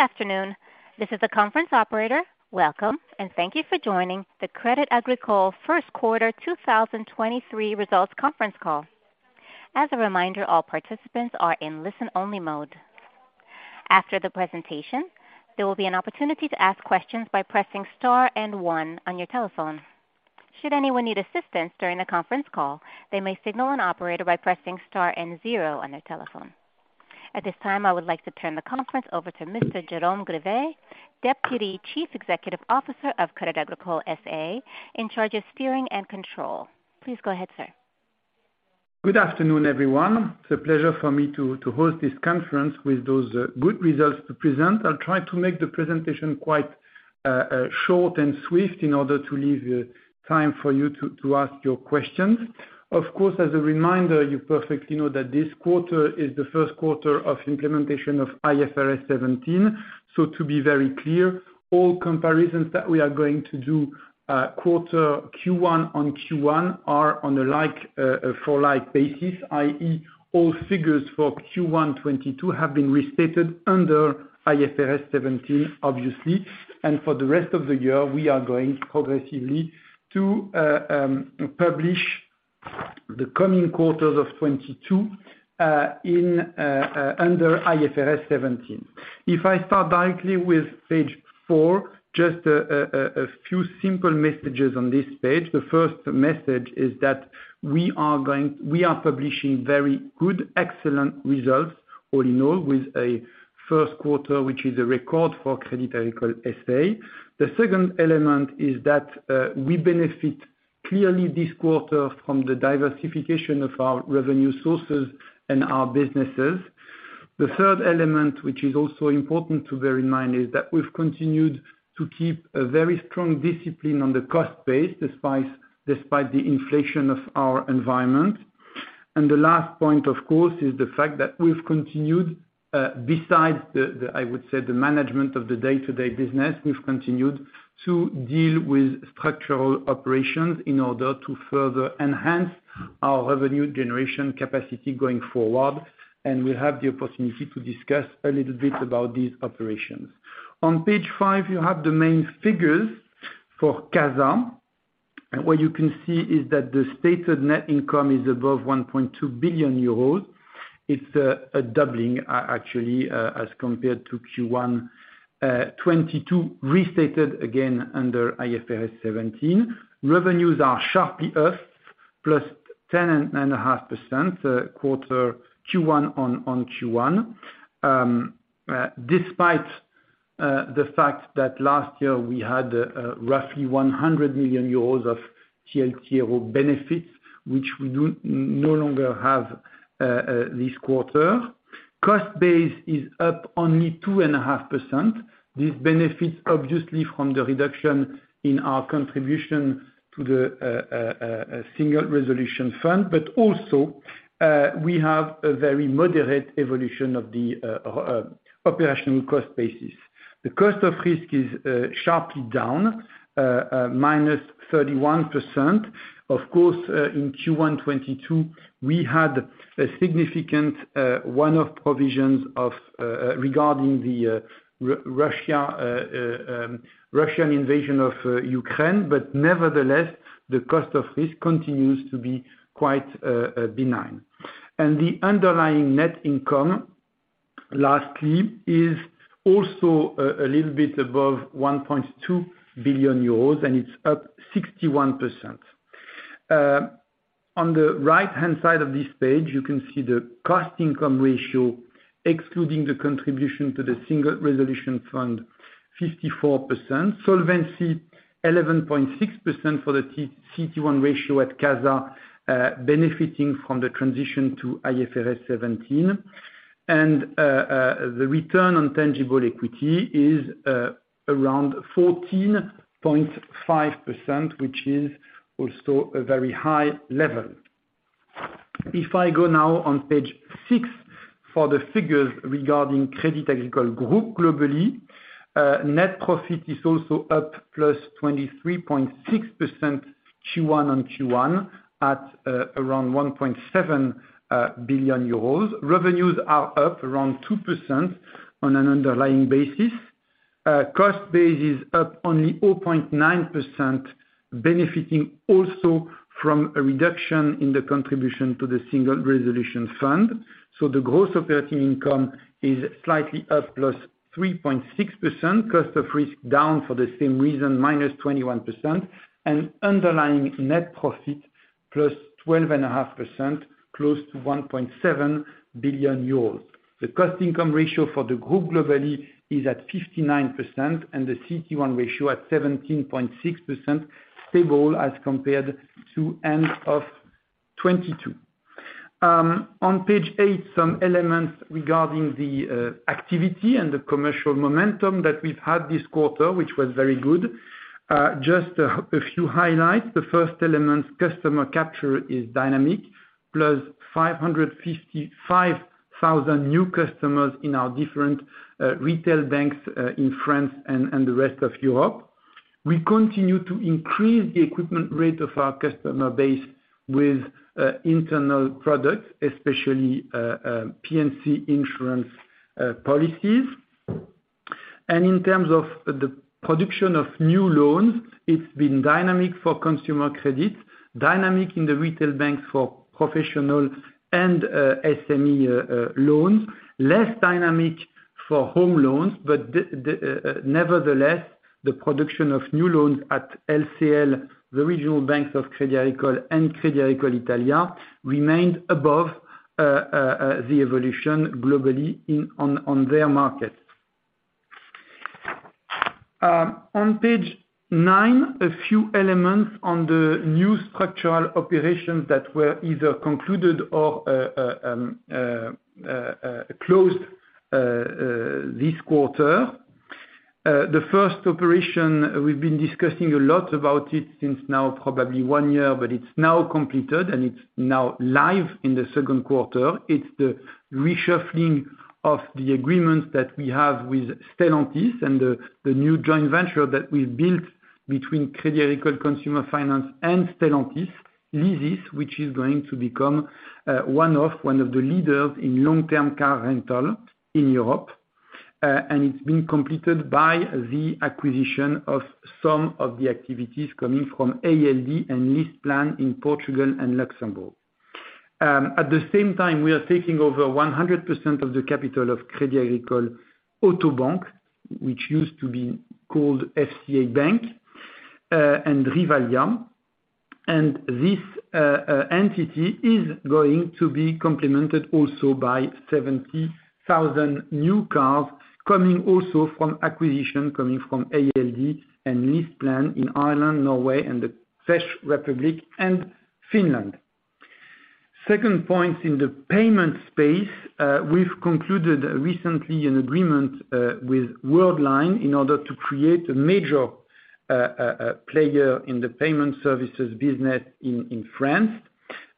Good afternoon. This is the conference operator. Welcome, and thank you for joining the Crédit Agricole First Quarter 2023 Results Conference Call. As a reminder, all participants are in listen-only mode. After the presentation, there will be an opportunity to ask questions by pressing star and one on your telephone. Should anyone need assistance during the conference call, they may signal an operator by pressing star and zero on their telephone. At this time, I would like to turn the conference over to Mr. Jérôme Grivet, Deputy Chief Executive Officer of Crédit Agricole S.A., in charge of steering and control. Please go ahead, sir. Good afternoon, everyone. It's a pleasure for me to host this conference with those good results to present. I'll try to make the presentation quite short and swift in order to leave time for you to ask your questions. Of course, as a reminder, you perfectly know that this quarter is the first quarter of implementation of IFRS 17. To be very clear, all comparisons that we are going to do quarter Q1 on Q1 are on a like for like basis, i.e., all figures for Q1 2022 have been restated under IFRS 17, obviously. For the rest of the year, we are going progressively to publish the coming quarters of 2022 in under IFRS 17. If I start directly with page four, just a few simple messages on this page. The first message is that We are publishing very good, excellent results all in all, with a first quarter, which is a record for Crédit Agricole S.A. The second element is that we benefit clearly this quarter from the diversification of our revenue sources and our businesses. The third element, which is also important to bear in mind, is that we've continued to keep a very strong discipline on the cost base, despite the inflation of our environment. The last point, of course, is the fact that we've continued besides the, I would say, the management of the day-to-day business, we've continued to deal with structural operations in order to further enhance our revenue generation capacity going forward, and we'll have the opportunity to discuss a little bit about these operations. On page five, you have the main figures for CASA. What you can see is that the stated net income is above 1.2 billion euros. It's actually a doubling as compared to Q1 2022, restated again under IFRS 17. Revenues are sharply up, +10.5%, quarter Q1 on Q1. Despite the fact that last year we had roughly 100 million euros of TLTRO benefits, which we do no longer have this quarter. Cost base is up only 2.5%. This benefits obviously from the reduction in our contribution to the Single Resolution Fund. Also, we have a very moderate evolution of the operational cost basis. The cost of risk is sharply down, -31%. Of course, in Q1 22, we had a significant one-off provisions of regarding the Russian invasion of Ukraine, nevertheless, the cost of this continues to be quite benign. The underlying net income, lastly, is also a little bit above 1.2 billion euros, and it's up 61%. On the right-hand side of this page, you can see the cost income ratio, excluding the contribution to the Single Resolution Fund, 54%. Solvency, 11.6% for the CT1 ratio at CASA, benefiting from the transition to IFRS 17. The return on tangible equity is around 14.5%, which is also a very high level. I go now on page 6 for the figures regarding Crédit Agricole Group globally, net profit is also up, +23.6% Q1 on Q1 at around 1.7 billion euros. Revenues are up around 2% on an underlying basis. Cost base is up only 0.9%, benefiting also from a reduction in the contribution to the Single Resolution Fund. The gross of 13 income is slightly up, +3.6%. Cost of risk down for the same reason, -21%. Underlying net profit, +12.5%, close to 1.7 billion euros. The cost income ratio for the group globally is at 59%, and the CT1 ratio at 17.6%, stable as compared to end of 2022. On page eight, some elements regarding the activity and the commercial momentum that we've had this quarter, which was very good. Just a few highlights. The first element, customer capture is dynamic, +555,000 new customers in our different retail banks in France and the rest of Europe. We continue to increase the equipment rate of our customer base with internal products, especially PNC insurance policies. In terms of the production of new loans, it's been dynamic for consumer credits, dynamic in the retail bank for professional and SME loans, less dynamic for home loans, but nevertheless, the production of new loans at LCL, the Regional Bank of Crédit Agricole, and Crédit Agricole Italia remained above the evolution globally on their markets. On page nine, a few elements on the new structural operations that were either concluded or closed this quarter. The first operation we've been discussing a lot about it since now probably one year, but it's now completed, and it's now live in the second quarter. It's the reshuffling of the agreements that we have with Stellantis and the new joint venture that we've built between Crédit Agricole Consumer Finance and Stellantis leases, which is going to become one of the leaders in long-term car rental in Europe. It's been completed by the acquisition of some of the activities coming from ALD and LeasePlan in Portugal and Luxembourg. At the same time, we are taking over 100% of the capital of Crédit Agricole Auto Bank, which used to be called FCA Bank, and Drivalia. This entity is going to be complemented also by 70,000 new cars coming also from acquisition, coming from ALD and LeasePlan in Ireland, Norway and the Czech Republic and Finland. Second point in the payment space, we've concluded recently an agreement with Worldline in order to create a major player in the payment services business in France.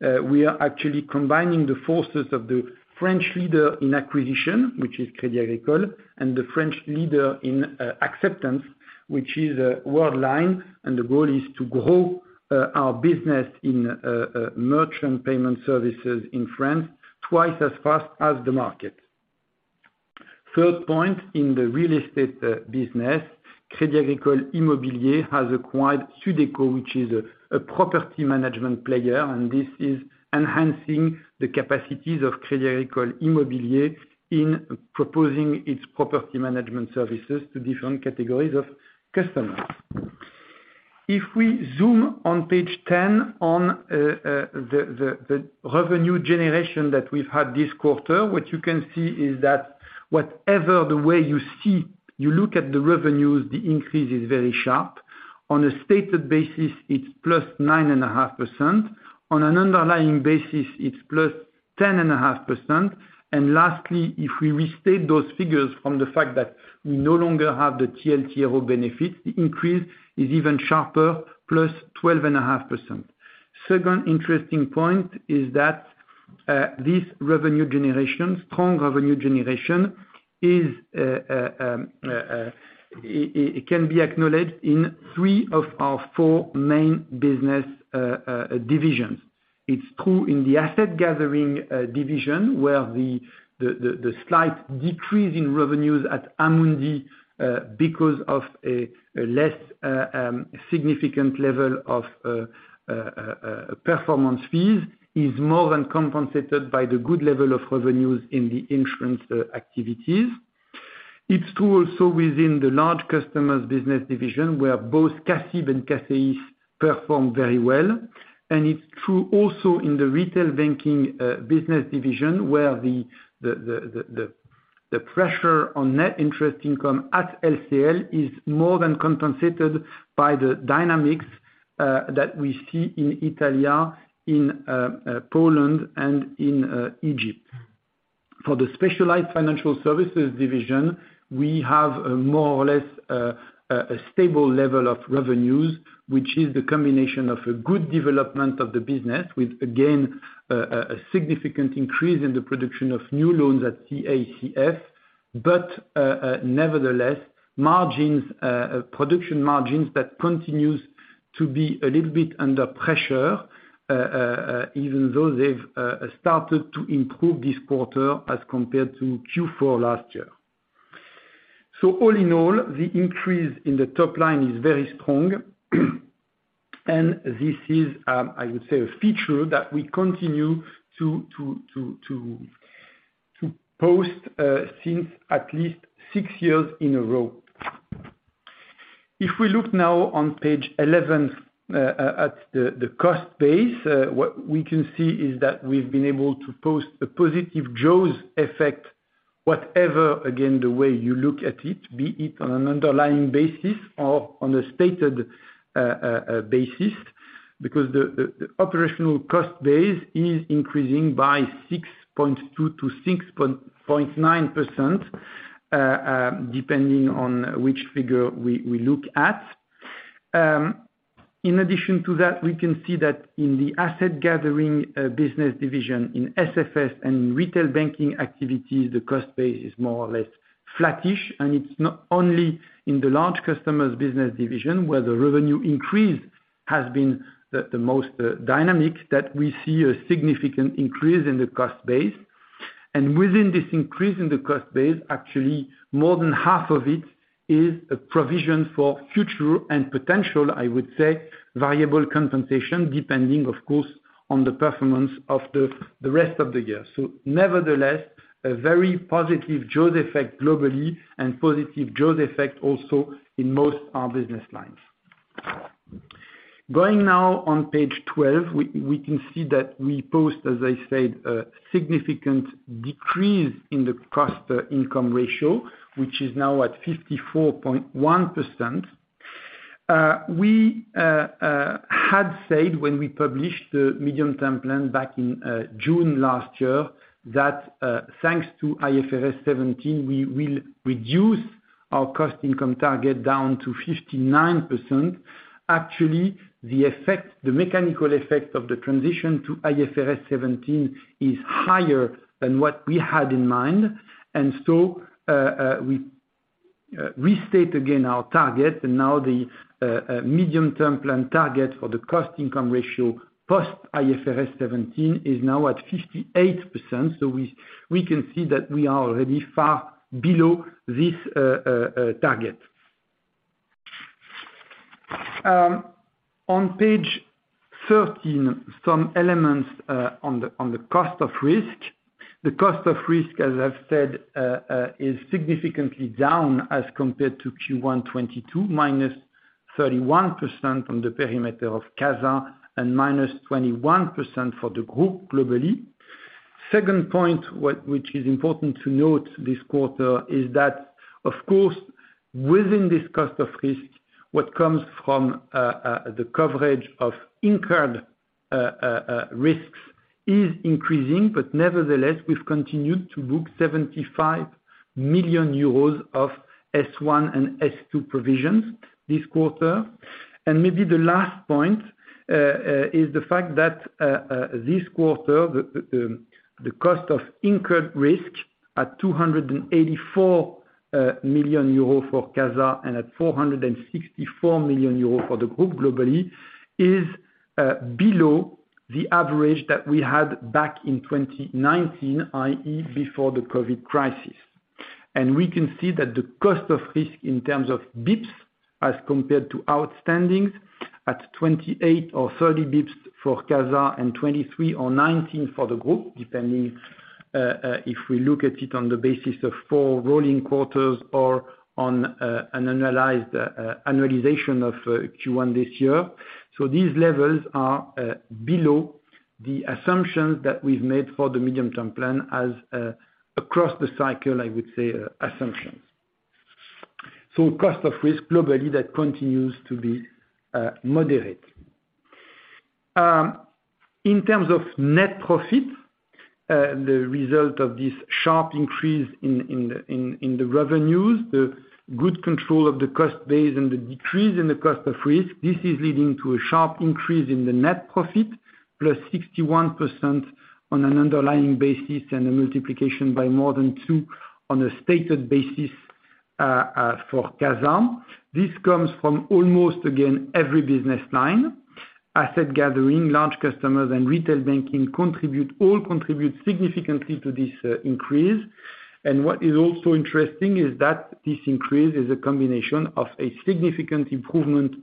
We are actually combining the forces of the French leader in acquisition, which is Crédit Agricole, and the French leader in acceptance, which is Worldline. The goal is to grow our business in merchant payment services in France twice as fast as the market. Third point, in the real estate business, Crédit Agricole Immobilier has acquired Sudeco, which is a property management player, this is enhancing the capacities of Crédit Agricole Immobilier in proposing its property management services to different categories of customers. If we zoom on page 10 on the revenue generation that we've had this quarter, what you can see is that whatever the way you see, you look at the revenues, the increase is very sharp. On a stated basis, it's +9.5%. On an underlying basis, it's +10.5%. Lastly, if we restate those figures from the fact that we no longer have the TLTRO benefit, the increase is even sharper, +12.5%. Second interesting point is that this revenue generation, strong revenue generation is, it can be acknowledged in three of our four main business divisions. It's true in the asset gathering division, where the slight decrease in revenues at Amundi because of a less significant level of performance fees is more than compensated by the good level of revenues in the insurance activities. It's true also within the large customers business division, where both CACEIS and CACIB perform very well. It's true also in the retail banking business division, where the pressure on net interest income at LCL is more than compensated by the dynamics that we see in Italia, in Poland, and in Egypt. For the specialized financial services division, we have a more or less, a stable level of revenues, which is the combination of a good development of the business with, again, a significant increase in the production of new loans at CACF. Nevertheless, margins, production margins that continues to be a little bit under pressure, even though they've started to improve this quarter as compared to Q4 last year. All in all, the increase in the top line is very strong, and this is, I would say a feature that we continue to post, since at least six years in a row. If we look now on page 11, at the cost base, what we can see is that we've been able to post a positive JAWS effect, whatever, again, the way you look at it, be it on an underlying basis or on a stated basis, because the operational cost base is increasing by 6.2%-6.9%, depending on which figure we look at. In addition to that, we can see that in the asset gathering business division in SFS and in retail banking activities, the cost base is more or less flattish. It's not only in the large customers business division where the revenue increase has been the most dynamic that we see a significant increase in the cost base. Within this increase in the cost base, actually, more than half of it is a provision for future and potential, I would say, variable compensation depending, of course, on the performance of the rest of the year. Nevertheless, a very positive JAWS effect globally and positive JAWS effect also in most our business lines. Going now on page 12, we can see that we post, as I said, a significant decrease in the cost-to-income ratio, which is now at 54.1%. We had said when we published the Medium Term Plan back in June 2023 that thanks to IFRS 17, we will reduce our cost income target down to 59%. Actually, the effect, the mechanical effect of the transition to IFRS 17 is higher than what we had in mind. We restate again our target, now the medium term plan target for the cost income ratio post IFRS 17 is now at 58%. We can see that we are already far below this target. On page 13, some elements on the cost of risk. The cost of risk, as I've said, is significantly down as compared to Q1 2022, -31% from the perimeter of CASA and -21% for the group globally. Second point, which is important to note this quarter is that, of course, within this cost of risk, what comes from the coverage of incurred risks is increasing. Nevertheless, we've continued to book 75 million euros of S1 and S2 provisions this quarter. Maybe the last point is the fact that this quarter, the cost of incurred risk at 284 million euro for CASA and at 464 million euro for the group globally is below the average that we had back in 2019, i.e., before the COVID crisis. We can see that the cost of risk in terms of basis points as compared to outstandings at 28 or 30 basis points for CASA and 23 or 19 basis points for the group depending if we look at it on the basis of four rolling quarters or on an analyzed annualization of Q1 this year. These levels are below the assumptions that we've made for the Medium Term Plan as across the cycle, I would say, assumptions. Cost of risk globally, that continues to be moderate. In terms of net profit, the result of this sharp increase in the revenues, the good control of the cost base and the decrease in the cost of risk, this is leading to a sharp increase in the net profit +61% on an underlying basis and a multiplication by more than two on a stated basis for CASA. This comes from almost, again, every business line. Asset gathering, large customers, and retail banking all contribute significantly to this increase. What is also interesting is that this increase is a combination of a significant improvement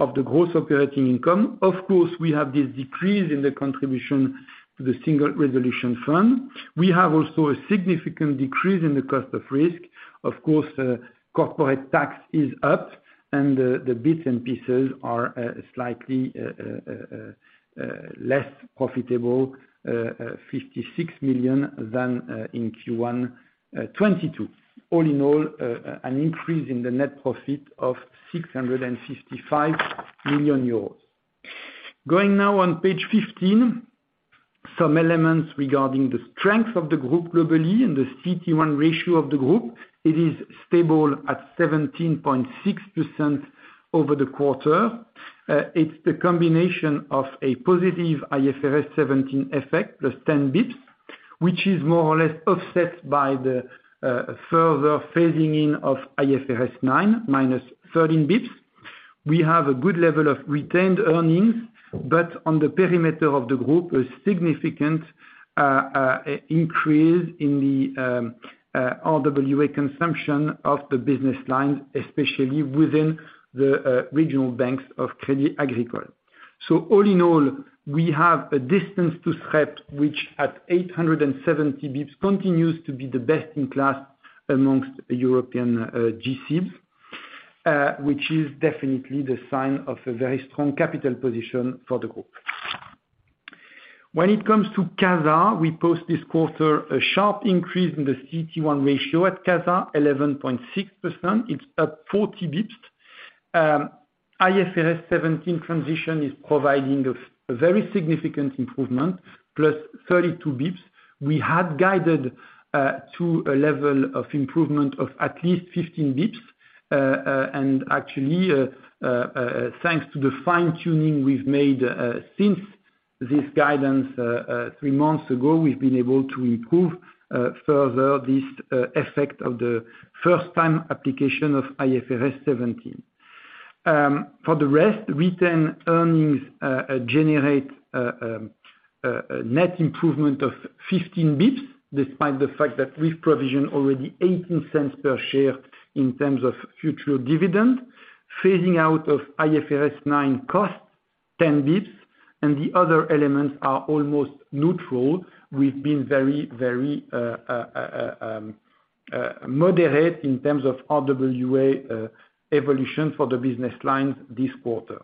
of the gross operating income. Of course, we have this decrease in the contribution to the Single Resolution Fund. We have also a significant decrease in the cost of risk. Of course, corporate tax is up, the bits and pieces are slightly less profitable, 56 million than in Q1 2022. All in all, an increase in the net profit of 655 million euros. Going now on page 15, some elements regarding the strength of the group globally and the CTE1 ratio of the group. It is stable at 17.6% over the quarter. It's the combination of a positive IFRS-17 effect +10 basis points, which is more or less offset by the further phasing in of IFRS-9, minus 13 basis points. We have a good level of retained earnings, on the perimeter of the group, a significant increase in the RWA consumption of the business line, especially within the regional banks of Crédit Agricole. All in all, we have a distance to CEPT, which at 870 basis points continues to be the best-in-class amongst European GC, which is definitely the sign of a very strong capital position for the group. When it comes to CASA, we post this quarter a sharp increase in the CTE1 ratio at CASA, 11.6%. It's up 40 basis points. IFRS 17 transition is providing a very significant improvement, +32 basis points. We had guided to a level of improvement of at least 15 basis points. Actually, thanks to the fine-tuning we've made since this guidance three months ago, we've been able to improve further this effect of the first time application of IFRS 17. For the rest, retained earnings generate a net improvement of 15 basis points, despite the fact that we've provisioned already 0.18 per share in terms of future dividend. Phasing out of IFRS 9 costs 10 basis points. The other elements are almost neutral. We've been very, very moderate in terms of RWA evolution for the business lines this quarter.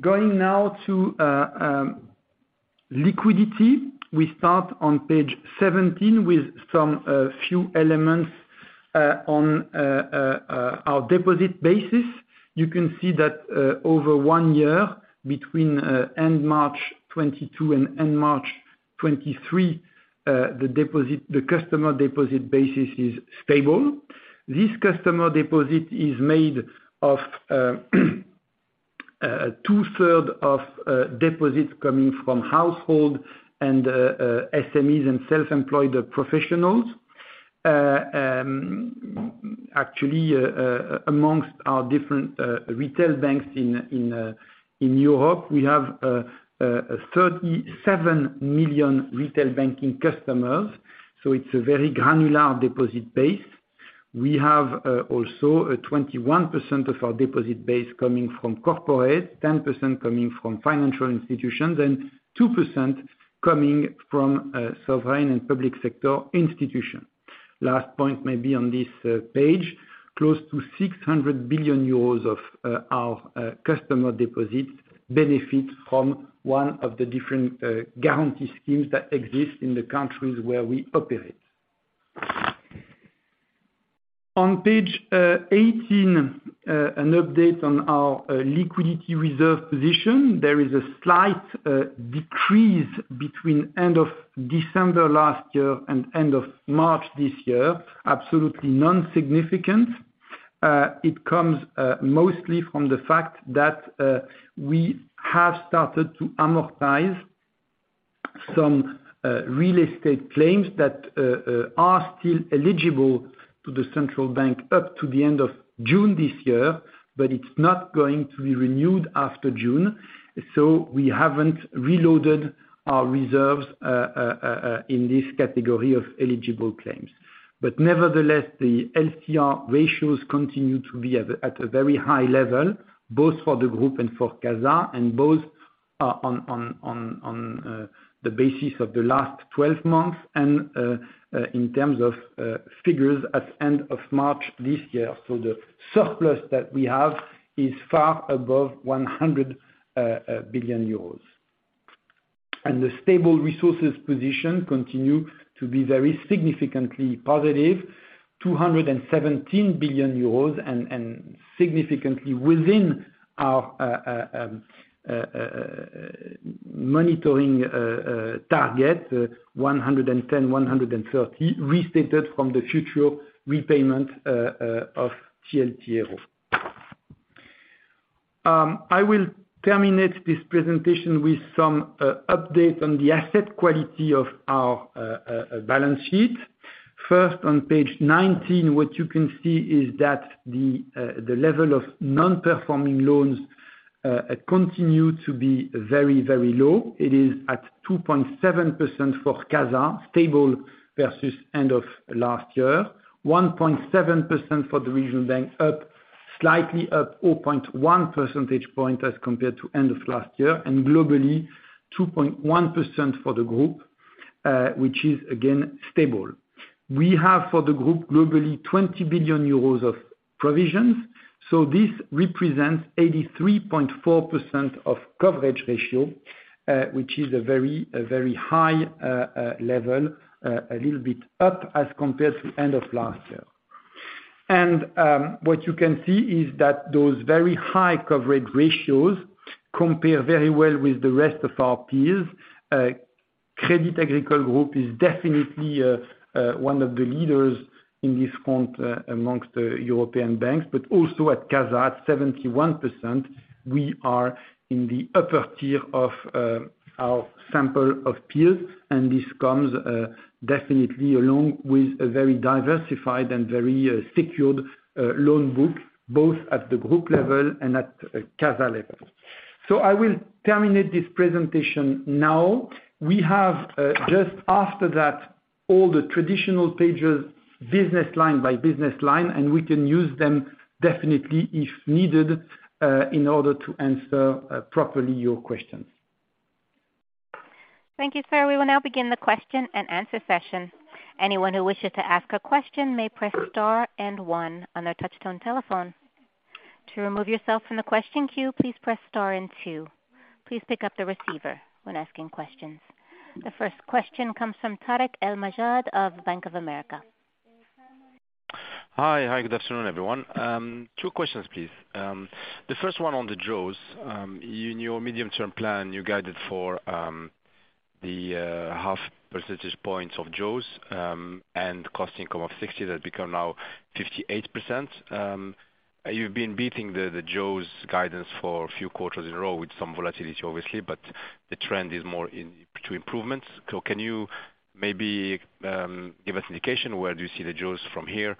Going now to liquidity, we start on page 17 with some few elements on our deposit basis. You can see that over one year between end March 2022 and end March 2023, the customer deposit basis is stable. This customer deposit is made of two-third of deposits coming from household and SMEs and self-employed professionals. Actually, amongst our different retail banks in Europe, we have 37 million retail banking customers, so it's a very granular deposit base. We have also a 21% of our deposit base coming from corporate, 10% coming from financial institutions, and 2% coming from sovereign and public sector institutions. Last point maybe on this page, close to 600 billion euros of our customer deposits benefit from one of the different guarantee schemes that exist in the countries where we operate. On page 18, an update on our liquidity reserve position. There is a slight decrease between end of December last year and end of March this year, absolutely non-significant. It comes mostly from the fact that we have started to amortize some real estate claims that are still eligible to the central bank up to the end of June this year, but it's not going to be renewed after June. We haven't reloaded our reserves in this category of eligible claims. Nevertheless, the LCR ratios continue to be at a very high level, both for the Group and for CASA, and both on the basis of the last 12 months and in terms of figures at end of March this year. The surplus that we have is far above 100 billion euros. The stable resources position continue to be very significantly positive, 217 billion euros, and significantly within our monitoring target, 110 billion-130 billion, restated from the future repayment of TLTRO. I will terminate this presentation with some update on the asset quality of our balance sheet. First, on page 19, what you can see is that the level of non-performing loans continue to be very, very low. It is at 2.7% for CASA, stable versus end of last year. 1.7% for the regional bank, slightly up 4.1 percentage point as compared to end of last year. Globally, 2.1% for the group, which is again, stable. oup, globally, 20 billion euros of provisions. This represents 83.4% of coverage ratio, which is a very, very high level, a little bit up as compared to end of last year. What you can see is that those very high coverage ratios compare very well with the rest of our peers. Crédit Agricole Group is definitely one of the leaders in this front amongst the European banks, but also at CASA, at 71%, we are in the upper tier of our sample of peers. This comes definitely along with a very diversified and very secured loan book, both at the group level and at CASA level. I will terminate this presentation now We have, just after that, all the traditional pages, business line by business line, and we can use them definitely if needed, in order to answer, properly your questions. Thank you, sir. We will now begin the question-and-answer session. Anyone who wishes to ask a question may press star and one on their touchtone telephone. To remove yourself from the question queue, please press star and two. Please pick up the receiver when asking questions. The first question comes from Tarek El-Majjah of Bank of America. Hi. Hi, good afternoon, everyone. Two questions, please. The first one on the JAWS. In your Medium Term Plan, you guided for. The half percentage points of JAWS, and cost income of 60 that become now 58%. You've been beating the JAWS guidance for a few quarters in a row with some volatility obviously, but the trend is more in to improvements. Can you maybe give us indication where do you see the JAWS from here?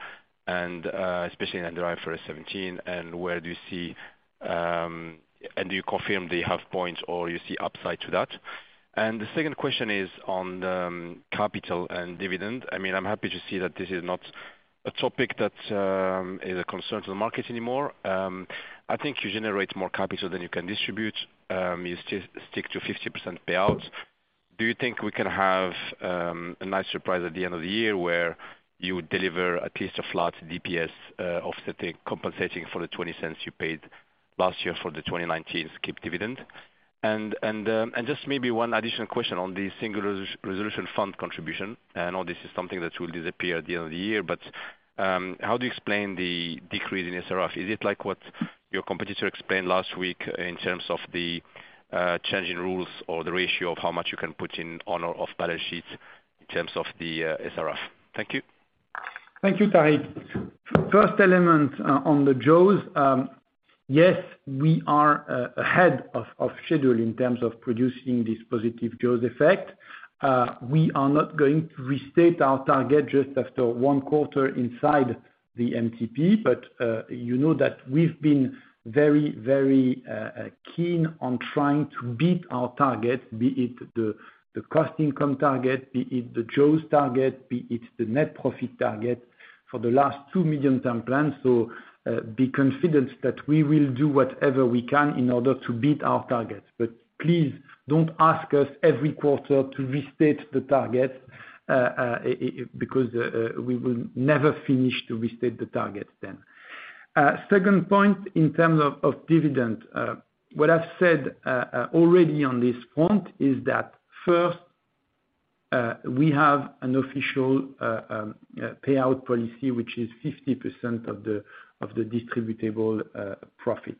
And especially in the drive for 17, and where do you see? Do you confirm the half points or you see upside to that? The second question is on capital and dividend. I mean, I'm happy to see that this is not a topic that is a concern to the market anymore. I think you generate more capital than you can distribute, you stick to 50% payouts. Do you think we can have a nice surprise at the end of the year where you deliver at least a flat DPS, offsetting, compensating for the 0.20 you paid last year for the 2019 skip dividend? Just maybe one additional question on the Single Resolution Fund contribution. I know this is something that will disappear at the end of the year, how do you explain the decrease in SRF? Is it like what your competitor explained last week in terms of the changing rules or the ratio of how much you can put in on or off balance sheet in terms of the SRF? Thank you. Thank you, Tarik. First element on the JOES, yes, we are ahead of schedule in terms of producing this positive JOES effect. We are not going to restate our target just after one quarter inside the MTP, you know that we've been very keen on trying to beat our target, be it the cost income target, be it the JOES target, be it the net profit target for the last two medium term plans. Be confident that we will do whatever we can in order to beat our targets. Please don't ask us every quarter to restate the target, because we will never finish to restate the targets. Second point in terms of dividend, what I've said already on this front is that first, we have an official payout policy, which is 50% of the distributable profit.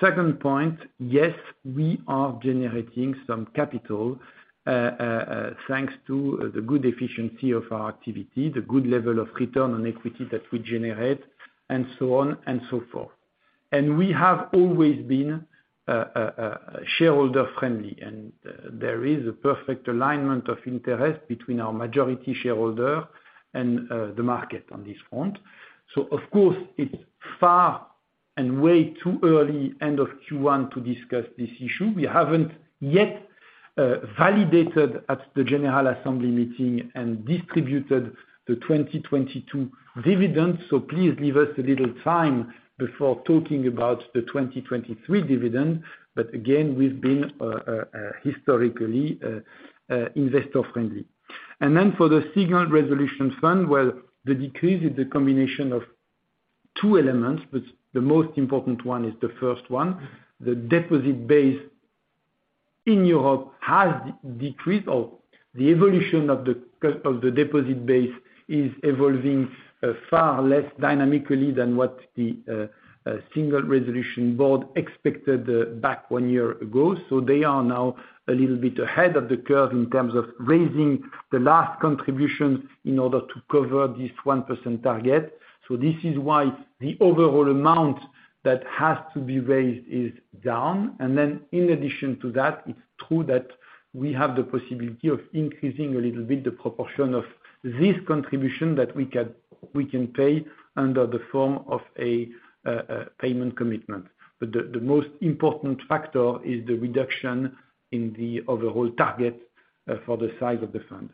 Second point, yes, we are generating some capital thanks to the good efficiency of our activity, the good level of return on equity that we generate, and so on and so forth. We have always been shareholder friendly, and there is a perfect alignment of interest between our majority shareholder and the market on this front. Of course, it's far and way too early end of Q1 to discuss this issue. We haven't yet validated at the general assembly meeting and distributed the 2022 dividends. Please leave us a little time before talking about the 2023 dividend. Again, we've been historically investor friendly. For the Single Resolution Fund, well, the decrease is the combination of two elements, but the most important one is the first one. The deposit base in Europe has decreased, or the evolution of the deposit base is evolving far less dynamically than what the Single Resolution Board expected back 1 year ago. They are now a little bit ahead of the curve in terms of raising the last contribution in order to cover this 1% target. This is why the overall amount that has to be raised is down. In addition to that, it's true that we have the possibility of increasing a little bit the proportion of this contribution that we can pay under the form of a payment commitment. The most important factor is the reduction in the overall target for the size of the fund.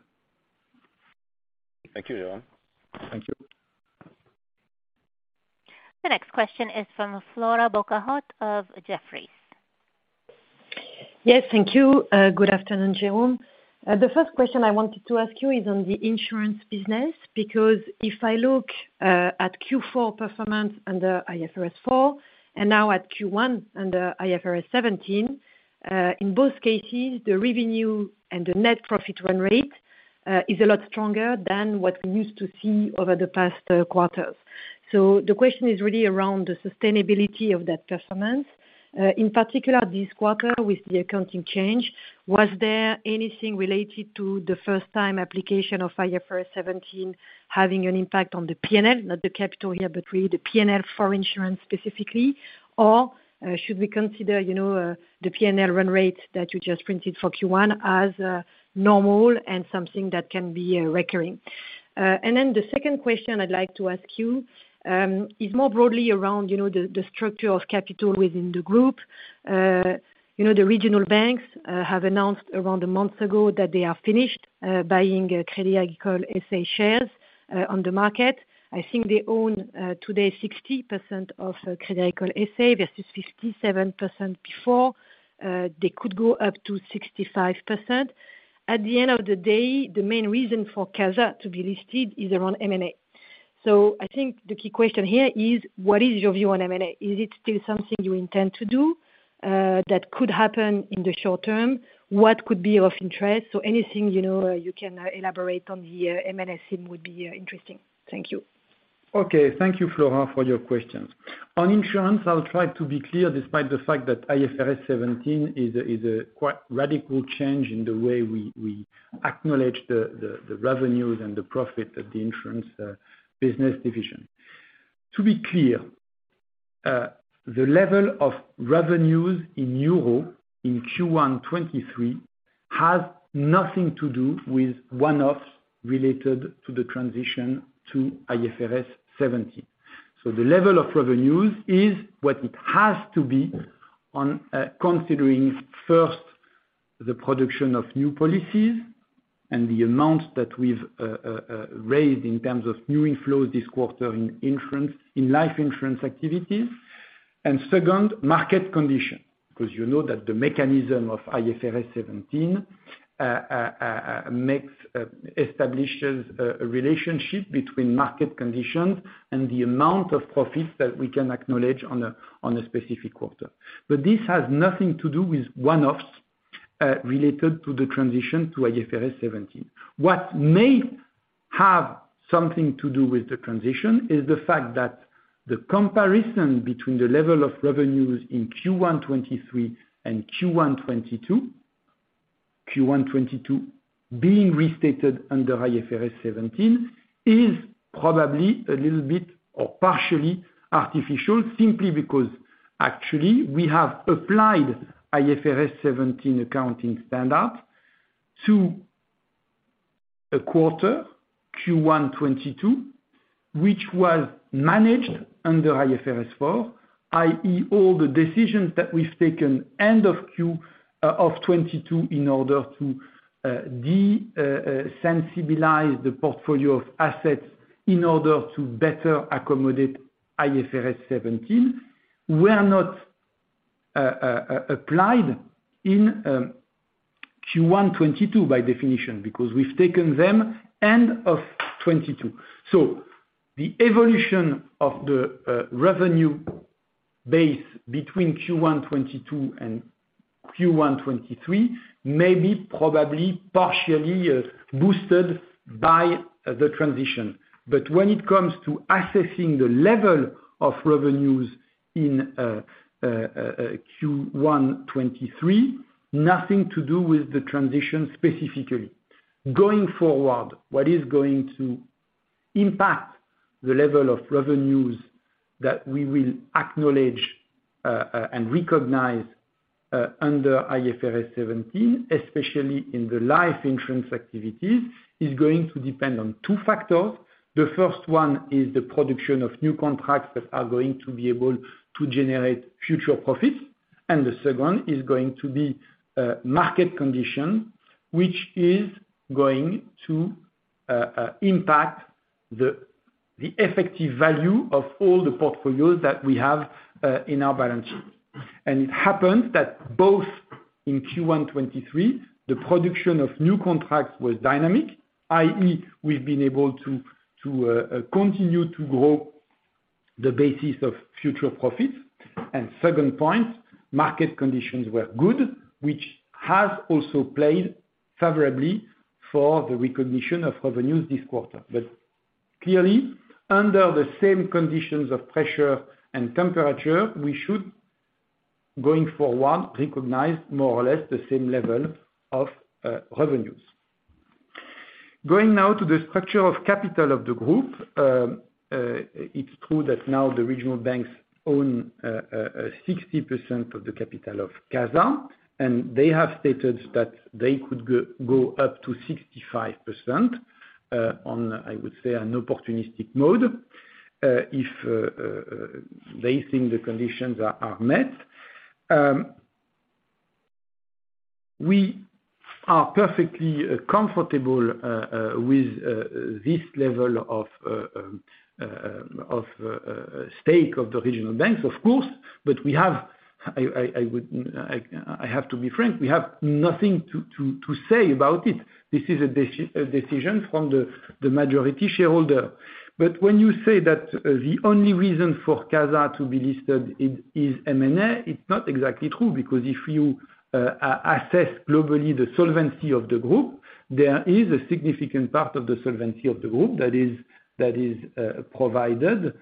Thank you, Jérôme. Thank you. The next question is from Flora Bocahut of Jefferies. Yes, thank you. Good afternoon, Jérôme. The first question I wanted to ask you is on the insurance business, because if I look at Q4 performance under IFRS 4, and now at Q1 under IFRS 17, in both cases, the revenue and the net profit run rate is a lot stronger than what we used to see over the past quarters. The question is really around the sustainability of that performance. In particular, this quarter with the accounting change, was there anything related to the first time application of IFRS 17 having an impact on the P&L? Not the capital here, but really the P&L for insurance specifically? Should we consider, you know, the P&L run rate that you just printed for Q1 as normal and something that can be recurring? The second question I'd like to ask you, is more broadly around, you know, the structure of capital within the group. You know, the regional banks have announced around a month ago that they are finished buying Crédit Agricole S.A. shares on the market. I think they own today 60% of Crédit Agricole S.A. versus 57% before. They could go up to 65%. At the end of the day, the main reason for CASA to be listed is around M&A. I think the key question here is, what is your view on M&A? Is it still something you intend to do that could happen in the short term? What could be of interest? Anything, you know, you can elaborate on the M&A scene would be interesting. Thank you. Thank you, Flora, for your questions. On insurance, I'll try to be clear despite the fact that IFRS 17 is a quite radical change in the way we acknowledge the revenues and the profit of the insurance business division. To be clear, the level of revenues in EUR in Q1 23 has nothing to do with one-offs related to the transition to IFRS 17. The level of revenues is what it has to be on considering first the production of new policies and the amount that we've raised in terms of new inflows this quarter in insurance, in life insurance activities. Second, market condition, because you know that the mechanism of IFRS 17 establishes a relationship between market conditions and the amount of profits that we can acknowledge on a specific quarter. This has nothing to do with one-offs related to the transition to IFRS 17. What may have something to do with the transition is the fact that the comparison between the level of revenues in Q1 2023 and Q1 2022, Q1 2022 being restated under IFRS 17, is probably a little bit, or partially artificial, simply because actually we have applied IFRS 17 accounting standard to a quarter, Q1 2022, which was managed under IFRS 4, i.e, all the decisions that we've taken end of Q of 2022 in order to de-sensibilize the portfolio of assets in order to better accommodate IFRS 17 were not applied in Q1 2022, by definition, because we've taken them end of 2022. The evolution of the revenue base between Q1 2022 and Q1 2023 may be probably partially boosted by the transition. When it comes to assessing the level of revenues in Q1 2023, nothing to do with the transition specifically. Going forward, what is going to impact the level of revenues that we will acknowledge and recognize under IFRS 17, especially in the life insurance activities, is going to depend on two factors. The first one is the production of new contracts that are going to be able to generate future profits, and the second is going to be market condition, which is going to impact the effective value of all the portfolios that we have in our balance sheet. It happens that both in Q1 2023, the production of new contracts was dynamic, i.e., we've been able to continue to grow the basis of future profits. Second point, market conditions were good, which has also played favorably for the recognition of revenues this quarter. Clearly, under the same conditions of pressure and temperature, we should, going forward, recognize more or less the same level of revenues. Going now to the structure of capital of the group. It's true that now the regional banks own 60% of the capital of CASA, and they have stated that they could go up to 65% on, I would say, an opportunistic mode, if they think the conditions are met. We are perfectly comfortable with this level of stake of the regional banks, of course. We have, I have to be frank, we have nothing to say about it. This is a decision from the majority shareholder. When you say that the only reason for CASA to be listed is M&A, it's not exactly true, because if you assess globally the solvency of the group, there is a significant part of the solvency of the group that is provided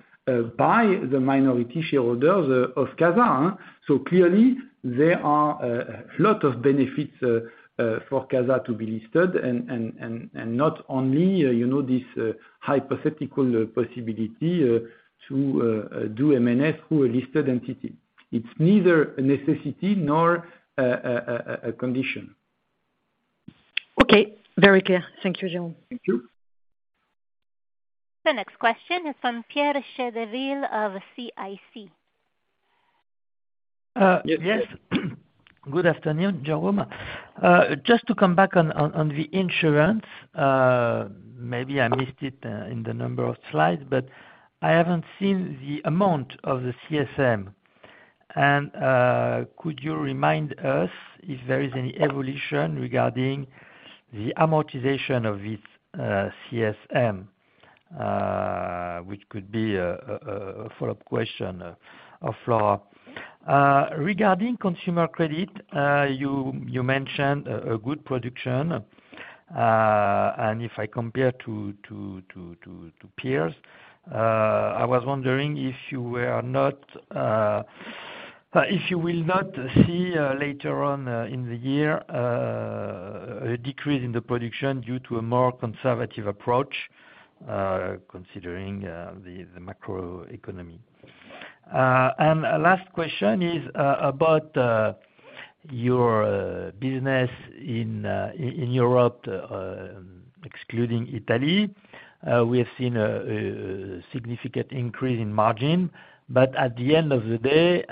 by the minority shareholders of CASA. Clearly there are a lot of benefits for CASA to be listed and not only, you know, this hypothetical possibility to do M&A through a listed entity. It's neither a necessity nor a condition. Okay. Very clear. Thank you, Jérôme. Thank you. The next question is from Pierre Chédeville of CIC. Yes. Yes. Good afternoon, Jérôme. Just to come back on the insurance, maybe I missed it in the number of slides, but I haven't seen the amount of the CSM. Could you remind us if there is any evolution regarding the amortization of this CSM, which could be a follow-up question of Flora Bocahut. Regarding consumer credit, you mentioned a good production. If I compare to peers, I was wondering if you were not, if you will not see later on in the year a decrease in the production due to a more conservative approach, considering the macro economy. Last question is about your business in Europe, excluding Italy. We have seen a significant increase in margin. At the end of the day,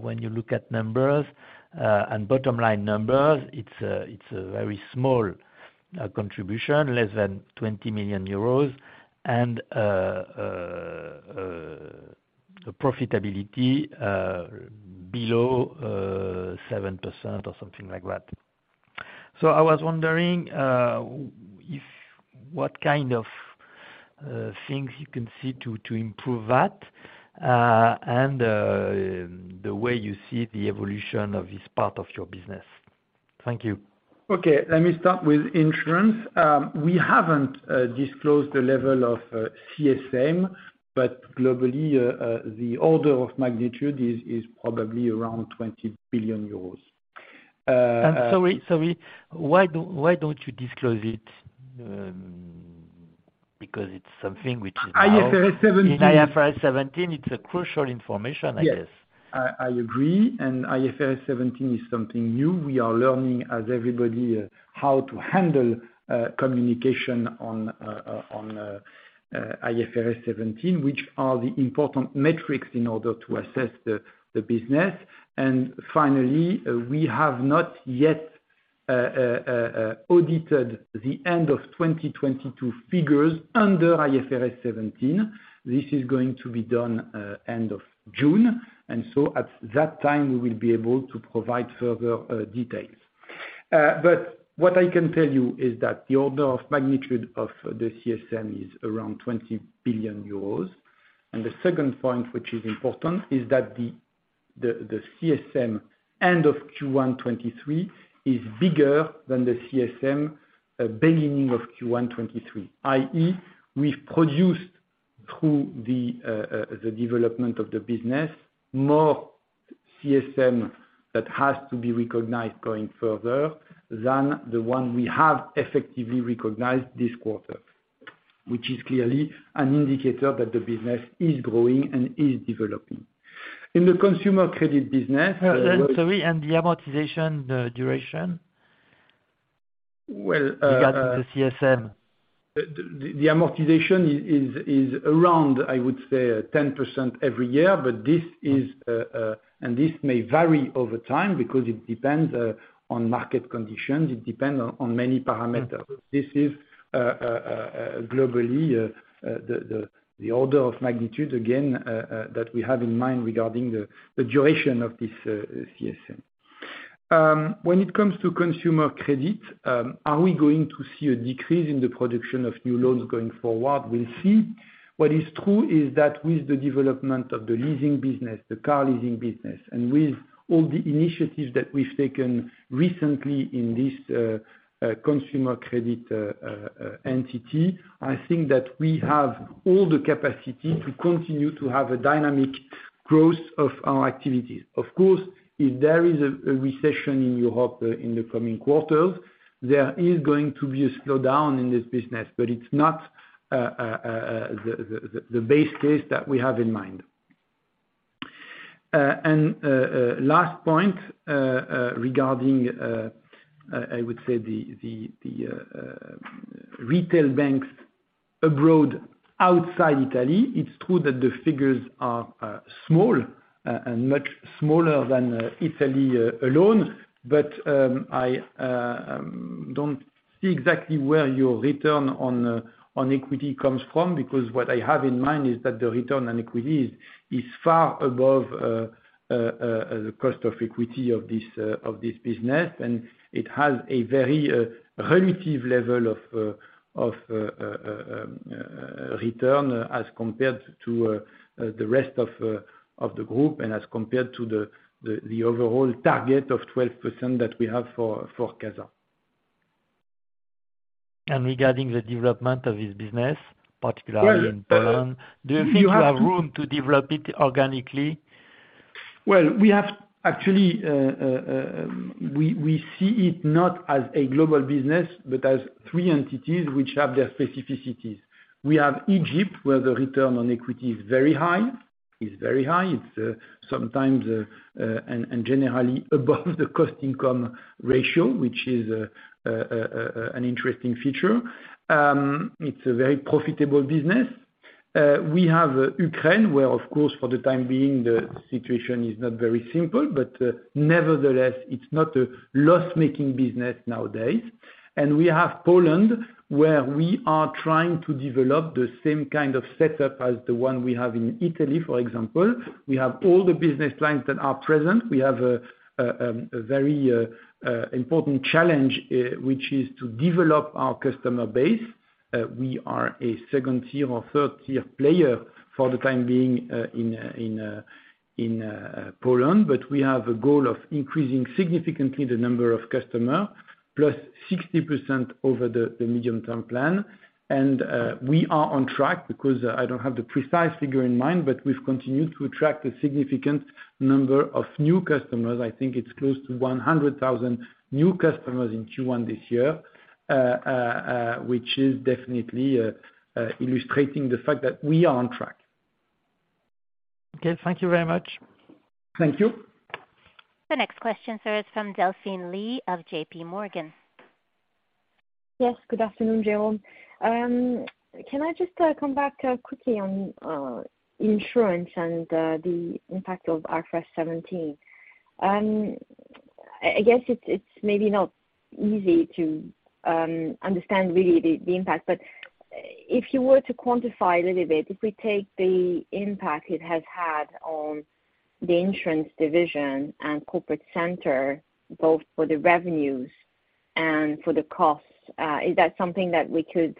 when you look at numbers, and bottom line numbers, it's a very small contribution, less than 20 million euros. Profitability below 7% or something like that. I was wondering what kind of things you can see to improve that, and the way you see the evolution of this part of your business. Thank you. Let me start with insurance. We haven't disclosed the level of CSM, but globally, the order of magnitude is probably around 20 billion euros. Sorry. Why don't you disclose it? Because it's something which is. IFRS 17. In IFRS 17, it's a crucial information, I guess. Yes. I agree. IFRS 17 is something new. We are learning, as everybody, how to handle communication on IFRS 17, which are the important metrics in order to assess the business. Finally, we have not yet audited the end of 2022 figures under IFRS 17. This is going to be done end of June, so at that time, we will be able to provide further details. But what I can tell you is that the order of magnitude of the CSM is around 20 billion euros. The second point, which is important, is that the CSM end of Q1 '23 is bigger than the CSM beginning of Q1 '23. i.e. we've produced through the development of the business, more CSM that has to be recognized going further than the one we have effectively recognized this quarter, which is clearly an indicator that the business is growing and is developing. In the consumer credit business. Sorry, the amortization, the duration. Well. Regarding the CSM. The amortization is around, I would say, 10% every year. This is, and this may vary over time because it depends on market conditions. It depends on many parameters. This is globally the order of magnitude, again, that we have in mind regarding the duration of this CSM. When it comes to consumer credit, are we going to see a decrease in the production of new loans going forward? We'll see. What is true is that with the development of the leasing business, the car leasing business, and with all the initiatives that we've taken recently in this consumer credit entity, I think that we have all the capacity to continue to have a dynamic growth of our activities. Of course, if there is a recession in Europe in the coming quarters, there is going to be a slowdown in this business, but it's not the base case that we have in mind. Last point regarding I would say the retail banks abroad outside Italy, it's true that the figures are small and much smaller than Italy alone, but I don't see exactly where your return on equity comes from, because what I have in mind is that the return on equity is far above the cost of equity of this business. It has a very relative level of return as compared to the rest of the group and as compared to the overall target of 12% that we have for CASA. Regarding the development of this business, particularly in Poland, do you think you have room to develop it organically? Well, we have actually, we see it not as a global business, but as three entities which have their specificities. We have Egypt, where the return on equity is very high. It's very high. It's sometimes generally above the cost income ratio, which is an interesting feature. It's a very profitable business. We have Ukraine, where of course, for the time being the situation is not very simple, but nevertheless, it's not a loss-making business nowadays. We have Poland, where we are trying to develop the same kind of setup as the one we have in Italy, for example. We have all the business lines that are present. We have a very important challenge, which is to develop our customer base. We are a second-tier or third-tier player for the time being in Poland, but we have a goal of increasing significantly the number of customer, +60% over the Medium Term Plan. We are on track because I don't have the precise figure in mind, but we've continued to attract a significant number of new customers. I think it's close to 100,000 new customers in Q1 this year, which is definitely illustrating the fact that we are on track. Okay. Thank you very much. Thank you. The next question, sir, is from Delphine Lee of J.P. Morgan. Yes. Good afternoon, Jérôme. Can I just come back quickly on insurance and the impact of IFRS 17? I guess it's maybe not easy to understand really the impact, but if you were to quantify a little bit, if we take the impact it has had on the insurance division and corporate center, both for the revenues and for the costs, is that something that we could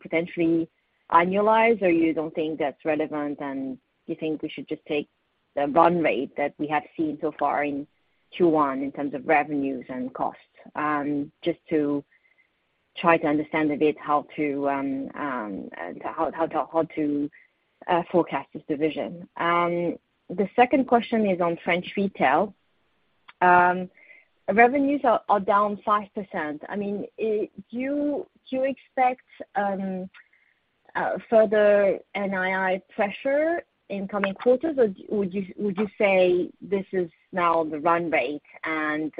potentially annualize or you don't think that's relevant, and you think we should just take the run rate that we have seen so far in Q1 in terms of revenues and costs? Just to try to understand a bit how to forecast this division. The second question is on French retail. Revenues are down 5%. I mean, do you expect further NII pressure in coming quarters, or would you say this is now the run rate and,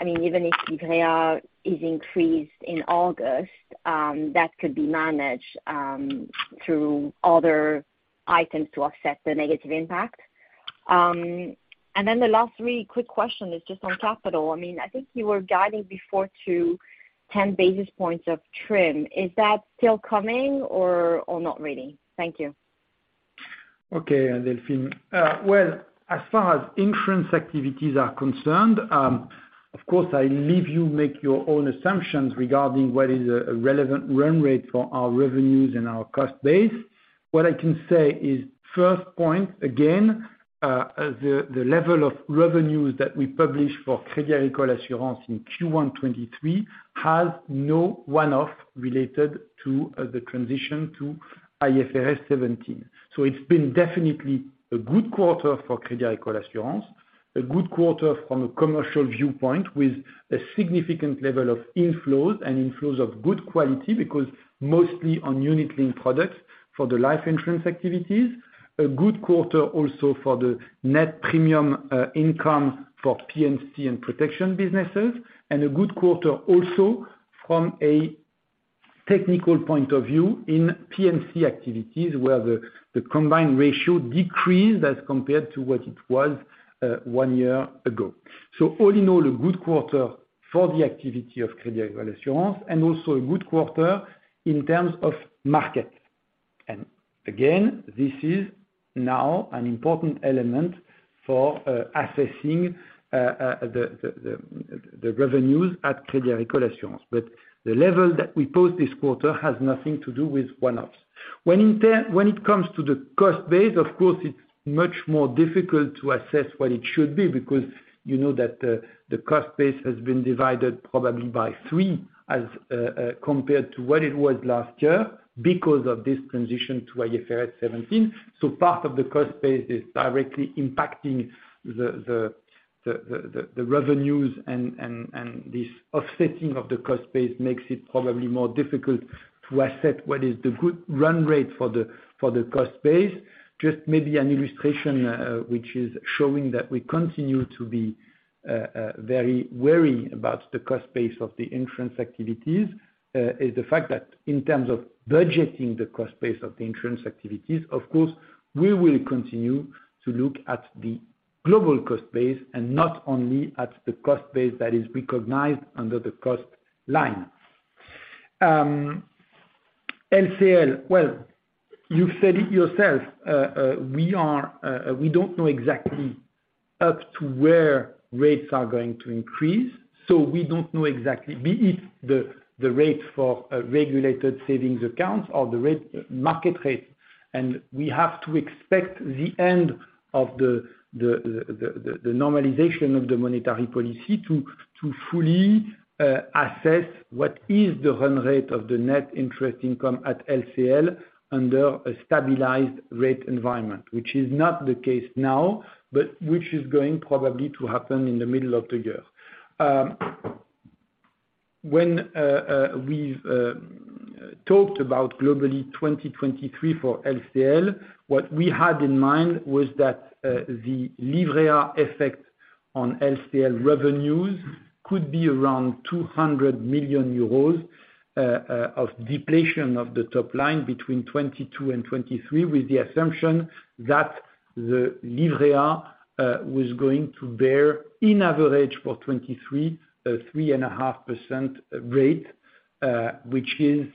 I mean, even if Livret A is increased in August, that could be managed through other items to offset the negative impact? The last really quick question is just on capital. I mean, I think you were guiding before to 10 basis points of TRIM. Is that still coming or not really? Thank you. Okay, Delphine. Well, as far as insurance activities are concerned, of course, I leave you make your own assumptions regarding what is a relevant run rate for our revenues and our cost base. What I can say is, first point, again, the level of revenues that we publish for Crédit Agricole Assurances in Q1 '23 has no one-off related to the transition to IFRS 17. It's been definitely a good quarter for Crédit Agricole Assurances, a good quarter from a commercial viewpoint with a significant level of inflows and inflows of good quality because mostly on unit-linked products for the life insurance activities. A good quarter also for the net premium, income for PNC and protection businesses, and a good quarter also from a technical point of view in PNC activities, where the combined ratio decreased as compared to what it was, one year ago. All in all, a good quarter for the activity of Crédit Agricole Assurances, and also a good quarter in terms of market. Again, this is now an important element for, assessing, the revenues at Crédit Agricole Assurances. The level that we post this quarter has nothing to do with one-offs. When it comes to the cost base, of course, it's much more difficult to assess what it should be because you know that the cost base has been divided probably by three as compared to what it was last year because of this transition to IFRS 17. Part of the cost base is directly impacting the revenues and this offsetting of the cost base makes it probably more difficult to assess what is the good run rate for the cost base. Just maybe an illustration, which is showing that we continue to be very wary about the cost base of the insurance activities, is the fact that in terms of budgeting the cost base of the insurance activities, of course, we will continue to look at the global cost base and not only at the cost base that is recognized under the cost line. LCL, well, you've said it yourself, we are, we don't know exactly up to where rates are going to increase, we don't know exactly be it the rate for regulated savings accounts or the rate, market rate. We have to expect the end of the normalization of the monetary policy to fully assess what is the run rate of the net interest income at LCL under a stabilized rate environment. Which is not the case now, but which is going probably to happen in the middle of the year. When we've talked about globally 2023 for LCL, what we had in mind was that the Livret A effect on LCL revenues could be around 200 million euros of deflation of the top line between 2022 and 2023, with the assumption that the Livret A was going to bear, in average for 2023, a 3.5% rate, which is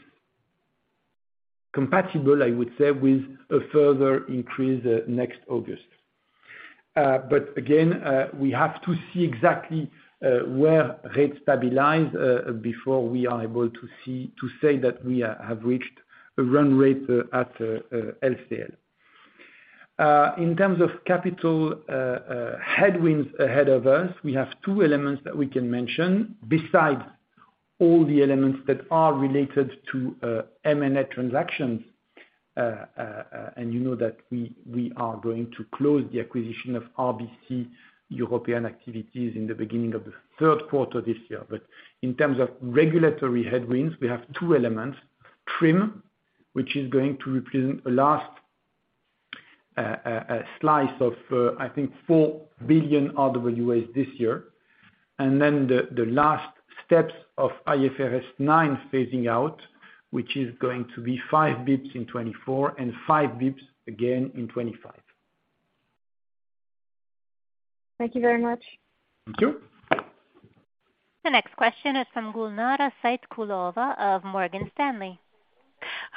compatible, I would say, with a further increase next August. Again, we have to see exactly where rates stabilize before we are able to say that we have reached a run rate at LCL. In terms of capital headwinds ahead of us, we have two elements that we can mention besides all the elements that are related to M&A transactions. You know that we are going to close the acquisition of RBC European activities in the beginning of the third quarter this year. In terms of regulatory headwinds, we have two elements, TRIM, which is going to represent the last slice of I think 4 billion RWA this year. The last steps of IFRS 9 phasing out, which is going to be 5 basis points in 2024 and 5 basis points again in 2025. Thank you very much. Thank you. The next question is from Gulnara Saitkulova of Morgan Stanley.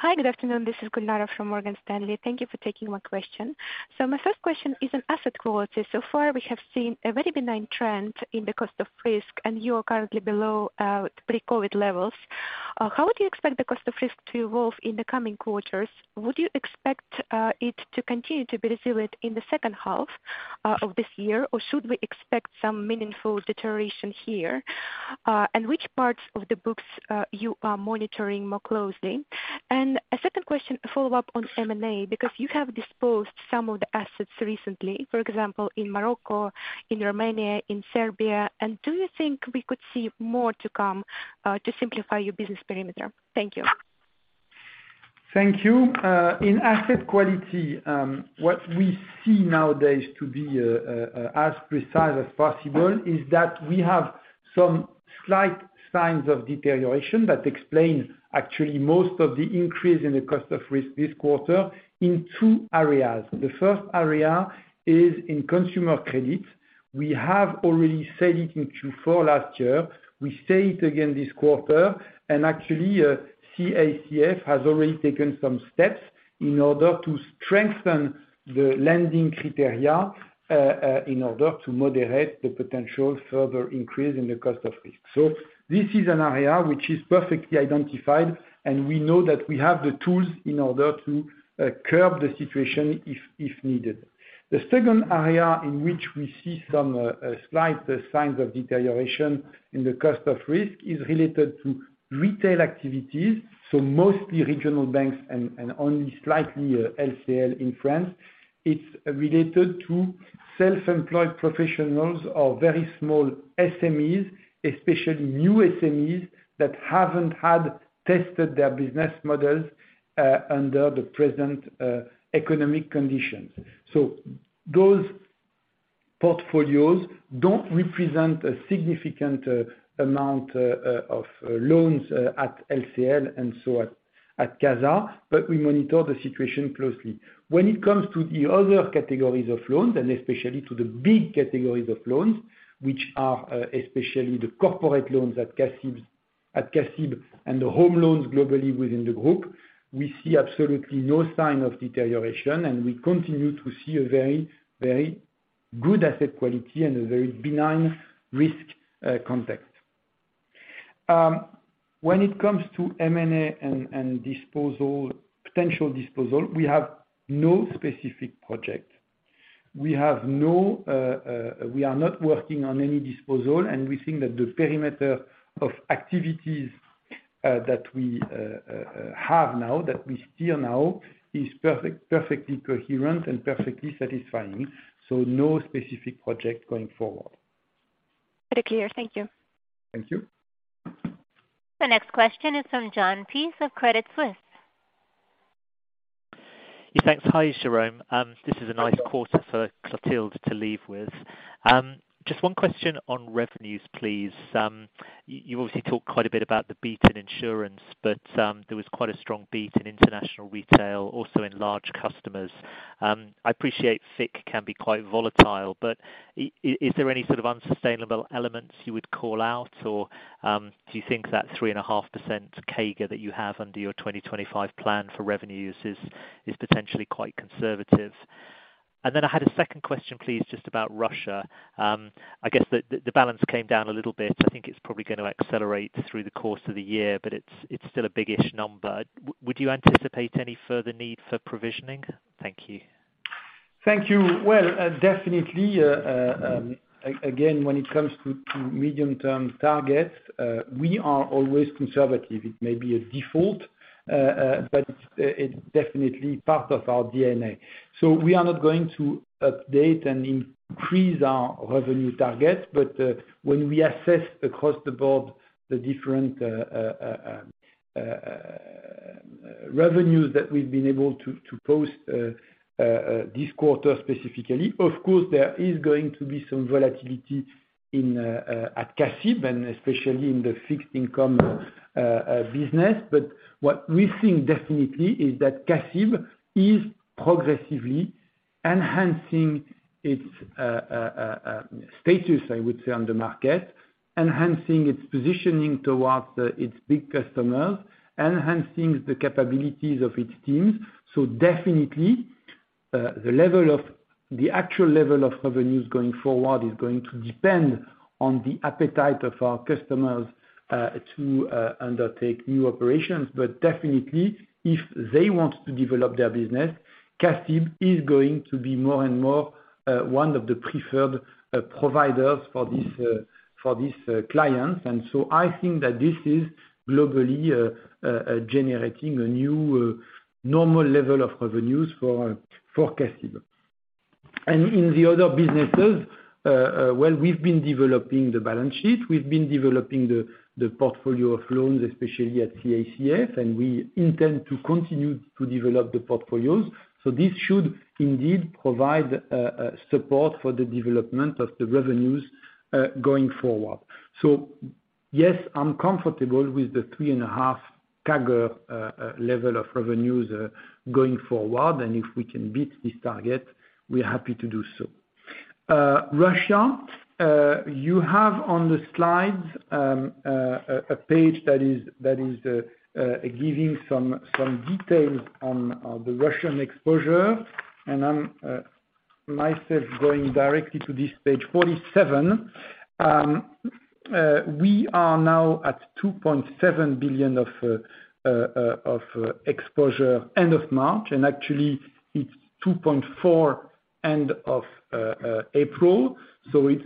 Hi, good afternoon, this is Gulnara from Morgan Stanley. Thank you for taking my question. My first question is on asset quality. So far, we have seen a very benign trend in the cost of risk, and you are currently below pre-COVID levels. How would you expect the cost of risk to evolve in the coming quarters? Would you expect it to continue to be resilient in the second half of this year? Or should we expect some meaningful deterioration here? Which parts of the books you are monitoring more closely? A second question to follow up on M&A, because you have disposed some of the assets recently, for example, in Morocco, in Romania, in Serbia. Do you think we could see more to come to simplify your business perimeter? Thank you. Thank you. In asset quality, what we see nowadays to be as precise as possible is that we have some slight signs of deterioration that explain actually most of the increase in the cost of risk this quarter in two areas. The first area is in consumer credit. We have already said it in Q4 last year. We say it again this quarter. Actually, CACF has already taken some steps in order to strengthen the lending criteria in order to moderate the potential further increase in the cost of risk. This is an area which is perfectly identified, and we know that we have the tools in order to curb the situation if needed. The second area in which we see some slight signs of deterioration in the cost of risk is related to retail activities, mostly regional banks and only slightly LCL in France. It's related to self-employed professionals or very small SMEs, especially new SMEs that haven't had tested their business models under the present economic conditions. Those portfolios don't represent a significant amount of loans at LCL and CASA, but we monitor the situation closely. When it comes to the other categories of loans, especially to the big categories of loans, which are especially the corporate loans at CACIB and the home loans globally within the group, we see absolutely no sign of deterioration, and we continue to see a very, very good asset quality and a very benign risk context. When it comes to M&A and disposal, potential disposal, we have no specific project. We have no, we are not working on any disposal, and we think that the perimeter of activities, that we, have now, that we steer now is perfectly coherent and perfectly satisfying. No specific project going forward. Very clear. Thank you. Thank you. The next question is from Jon Peace of Credit Suisse. Thanks. Hi, Jérôme. This is a nice quarter for Clotilde to leave with. Just one question on revenues, please. You obviously talked quite a bit about the beat in insurance, but there was quite a strong beat in international retail, also in large customers. I appreciate FIC can be quite volatile, but is there any sort of unsustainable elements you would call out? Do you think that 3.5% CAGR that you have under your 2025 plan for revenues is potentially quite conservative? I had a second question, please, just about Russia. I guess the balance came down a little bit. I think it's probably gonna accelerate through the course of the year, but it's still a biggish number. Would you anticipate any further need for provisioning? Thank you. Thank you. Well, definitely, again, when it comes to medium-term targets, we are always conservative. It may be a default, but it's definitely part of our DNA. We are not going to update and increase our revenue target. When we assess across the board the different revenues that we've been able to post this quarter specifically, of course, there is going to be some volatility at CACIB, and especially in the fixed income business. What we think definitely is that CACIB is progressively enhancing its status, I would say, on the market, enhancing its positioning towards its big customers, enhancing the capabilities of its teams. Definitely, the actual level of revenues going forward is going to depend on the appetite of our customers to undertake new operations. Definitely, if they want to develop their business, Castille is going to be more and more one of the preferred providers for these clients. I think that this is globally generating a new normal level of revenues for Castille. In the other businesses, well, we've been developing the balance sheet. We've been developing the portfolio of loans, especially at CACF, and we intend to continue to develop the portfolios. This should indeed provide support for the development of the revenues going forward. Yes, I'm comfortable with the 3.5 CAGR level of revenues going forward, and if we can beat this target, we're happy to do so. Russia, you have on the slides a page that is giving some details on the Russian exposure. I'm myself going directly to this page 47. We are now at 2.7 billion of exposure end of March, and actually it's 2.4 billion end of April. It's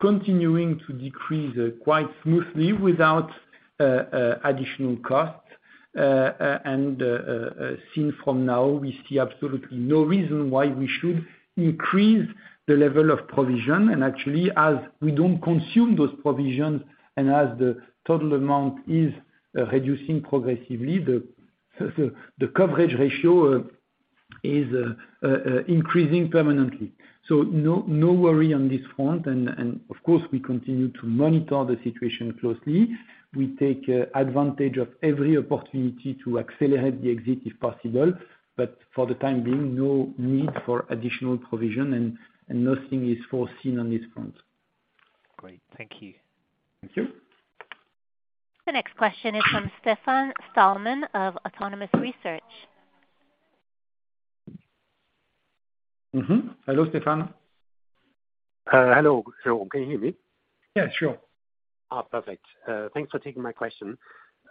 continuing to decrease quite smoothly without additional costs. Seen from now, we see absolutely no reason why we should increase the level of provision. Actually, as we don't consume those provisions, and as the total amount is reducing progressively, the coverage ratio is increasing permanently. No, no worry on this front. Of course, we continue to monitor the situation closely. We take advantage of every opportunity to accelerate the exit if possible, but for the time being, no need for additional provision and nothing is foreseen on this front. Great. Thank you. Thank you. The next question is from Stefan Stalmann of Autonomous Research. Mm-hmm. Hello, Stefan. Hello, Jérôme. Can you hear me? Yeah, sure. Perfect. Thanks for taking my question.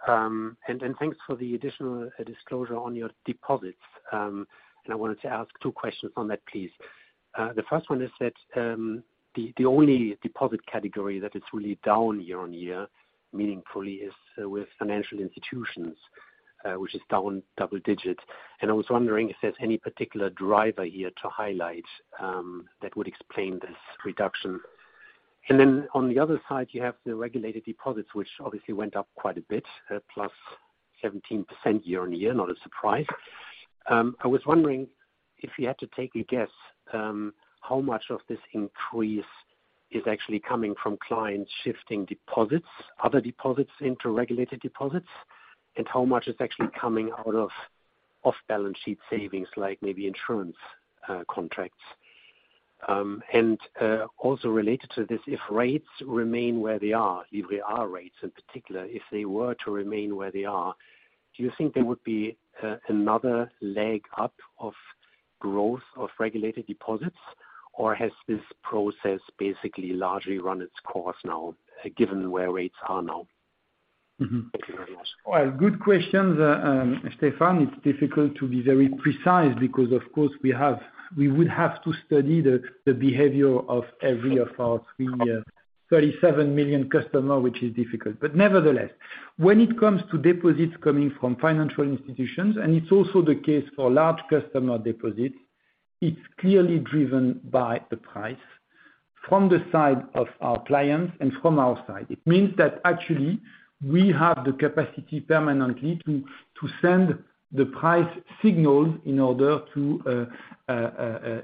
Thanks for the additional disclosure on your deposits. I wanted to ask two questions on that, please. The first one is that the only deposit category that is really down year-on-year meaningfully is with financial institutions, which is down double digits. I was wondering if there's any particular driver here to highlight that would explain this reduction. On the other side, you have the regulated deposits, which obviously went up quite a bit, +17% year-on-year. Not a surprise. I was wondering if you had to take a guess, how much of this increase is actually coming from clients shifting deposits, other deposits into regulated deposits, and how much is actually coming out of off-balance sheet savings, like maybe insurance contracts. Also related to this, if rates remain where they are, ECB rates in particular, if they were to remain where they are, do you think there would be another leg up of growth of regulated deposits, or has this process basically largely run its course now, given where rates are now? Mm-hmm. Thank you very much. Well, good questions, Stefan. It's difficult to be very precise because of course we would have to study the behavior of every of our 37 million customer, which is difficult. Nevertheless, when it comes to deposits coming from financial institutions, and it's also the case for large customer deposits, it's clearly driven by the price from the side of our clients and from our side. It means that actually we have the capacity permanently to send the price signals in order to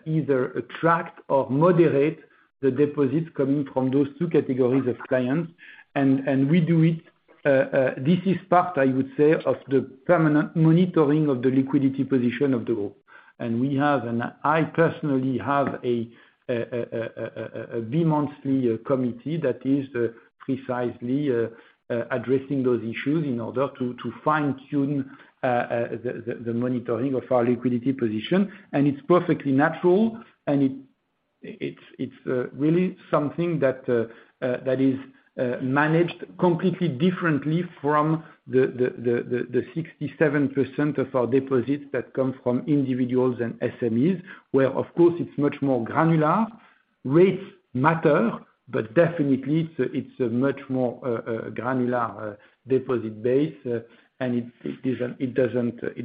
either attract or moderate the deposits coming from those two categories of clients. We do it, this is part, I would say, of the permanent monitoring of the liquidity position of the group. We have, and I personally have a bi-monthly committee that is precisely addressing those issues in order to fine-tune the monitoring of our liquidity position. It's perfectly natural, and it's really something that is managed completely differently from the 67% of our deposits that comes from individuals and SMEs, where of course it's much more granular. Rates matter, but definitely it's a much more granular deposit base, and it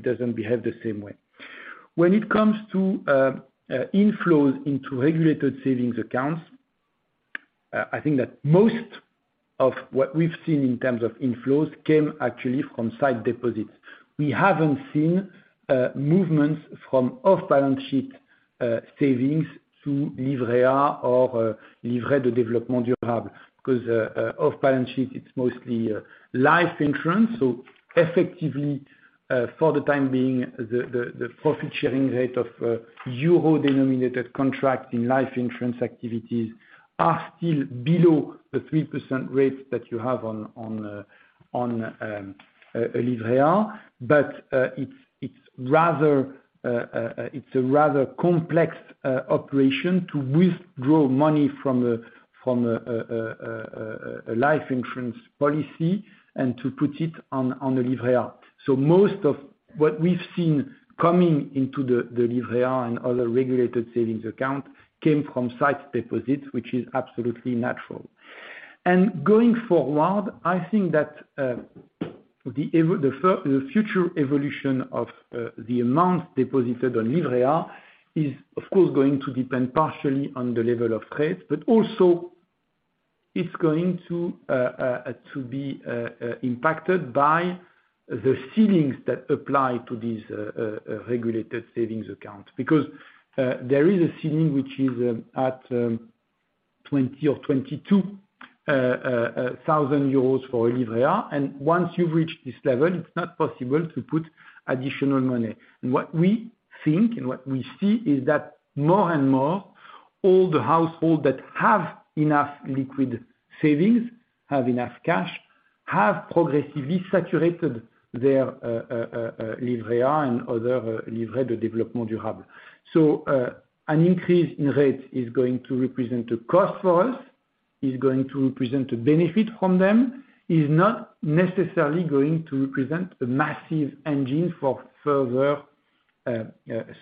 doesn't behave the same way. When it comes to inflows into regulated savings accounts, I think that most of what we've seen in terms of inflows came actually from sight deposits. We haven't seen movements from off-balance sheet savings to Livret A or Livret de Développement Durable, because off-balance sheet, it's mostly life insurance. Effectively, for the time being, the profit sharing rate of euro-denominated contracts in life insurance activities are still below the 3% rate that you have on a Livret A. It's rather a complex operation to withdraw money from a life insurance policy and to put it on a Livret A. Most of what we've seen coming into the Livret A and other regulated savings account came from sight deposits, which is absolutely natural. Going forward, I think that the future evolution of the amounts deposited on Livret A is of course going to depend partially on the level of rates, but also it's going to be impacted by the ceilings that apply to these regulated savings accounts. There is a ceiling which is at 20 thousand or 22 thousand euros for a Livret A, and once you've reached this level, it's not possible to put additional money. What we think and what we see is that more and more all the households that have enough liquid savings, have enough cash, have progressively saturated their Livret A and other Livret de Développement Durable. An increase in rates is going to represent a cost for us, is going to represent a benefit from them, is not necessarily going to represent a massive engine for further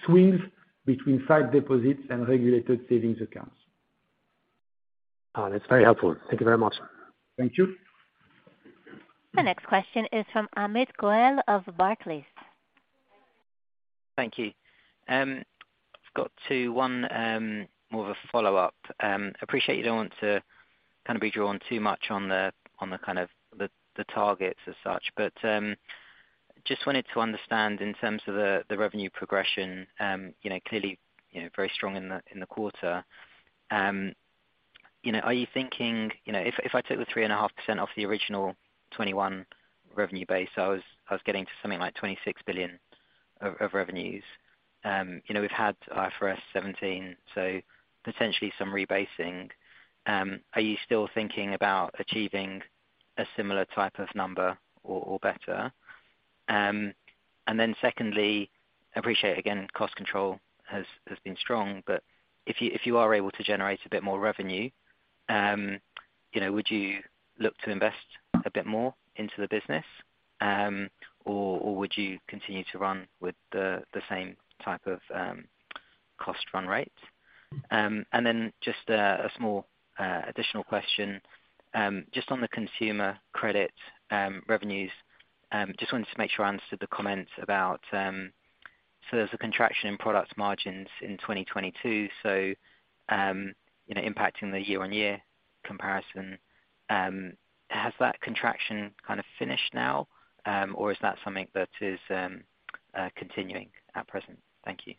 swings between sight deposits and regulated savings accounts. Oh, that's very helpful. Thank you very much. Thank you. The next question is from Amit Goel of Barclays. Thank you. I've got two, one, more of a follow-up. Appreciate you don't want to kind of be drawn too much on the kind of the targets as such. Just wanted to understand in terms of the revenue progression, you know, clearly, you know, very strong in the quarter. You know, are you thinking, you know, if I took the 3.5% off the original 2021 revenue base, I was getting to something like 26 billion of revenues. We've had IFRS 17, so potentially some rebasing. Are you still thinking about achieving a similar type of number or better? Secondly, appreciate, again, cost control has been strong, but if you are able to generate a bit more revenue, you know, would you look to invest a bit more into the business, or would you continue to run with the same type of cost run rates? Just a small additional question, just on the consumer credit revenues, just wanted to make sure I understood the comments about there's a contraction in product margins in 2022, impacting the year-on-year comparison. Has that contraction kind of finished now, or is that something that is continuing at present? Thank you.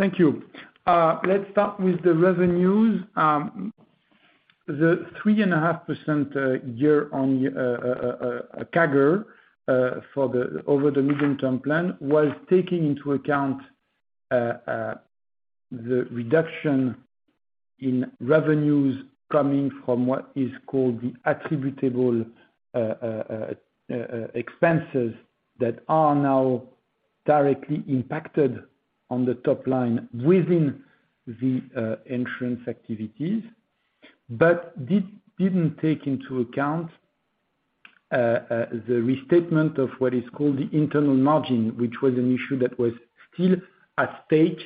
Thank you. Let's start with the revenues. The 3.5% year-on-year CAGR for the over the Medium Term Plan was taking into account the reduction in revenues coming from what is called the attributable expenses that are now directly impacted on the top line within the insurance activities. This didn't take into account the restatement of what is called the internal margin, which was an issue that was still at stake,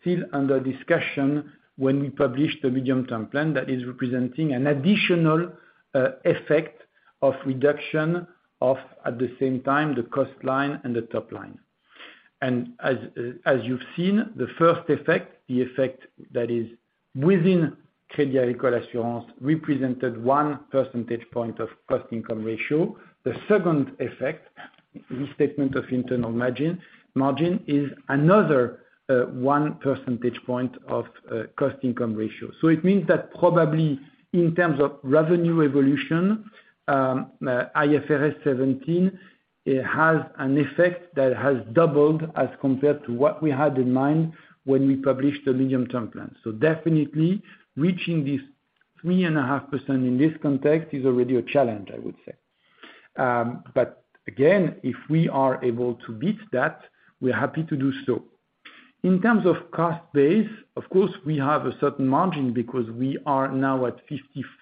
still under discussion when we published the Medium Term Plan that is representing an additional effect of reduction of, at the same time, the cost line and the top line. As you've seen, the first effect, the effect that is within Crédit Agricole Assurances represented 1 percentage point of cost income ratio. The second effect, restatement of internal margin, is another 1 percentage point of cost income ratio. It means that probably in terms of revenue evolution, IFRS 17, it has an effect that has doubled as compared to what we had in mind when we published the medium-term plan. Definitely reaching this 3.5% in this context is already a challenge, I would say. Again, if we are able to beat that, we're happy to do so. In terms of cost base, of course, we have a certain margin because we are now at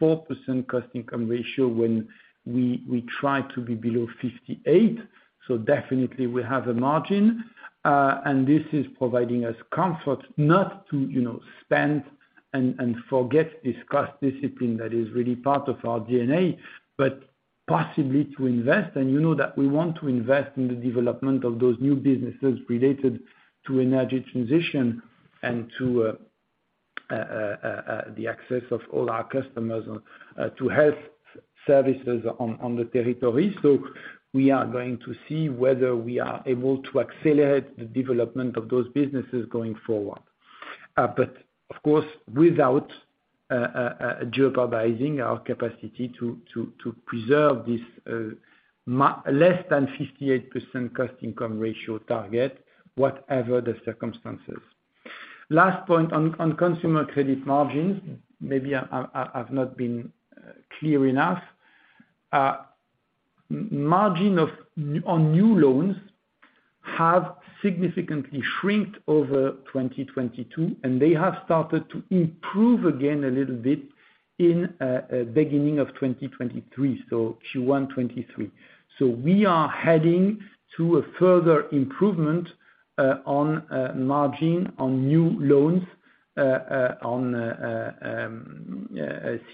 54% cost income ratio when we try to be below 58%, so definitely we have a margin. This is providing us comfort not to, you know, spend and forget this cost discipline that is really part of our DNA, but possibly to invest, and you know that we want to invest in the development of those new businesses related to energy transition and to the access of all our customers on to health services on the territory. We are going to see whether we are able to accelerate the development of those businesses going forward. Of course, without jeopardizing our capacity to preserve this less than 58% cost income ratio target, whatever the circumstances. Last point on consumer credit margins, maybe I've not been clear enough. Margin of, on new loans have significantly shrunk over 2022, and they have started to improve again a little bit in beginning of 2023, Q1 2023. We are heading to a further improvement on margin on new loans on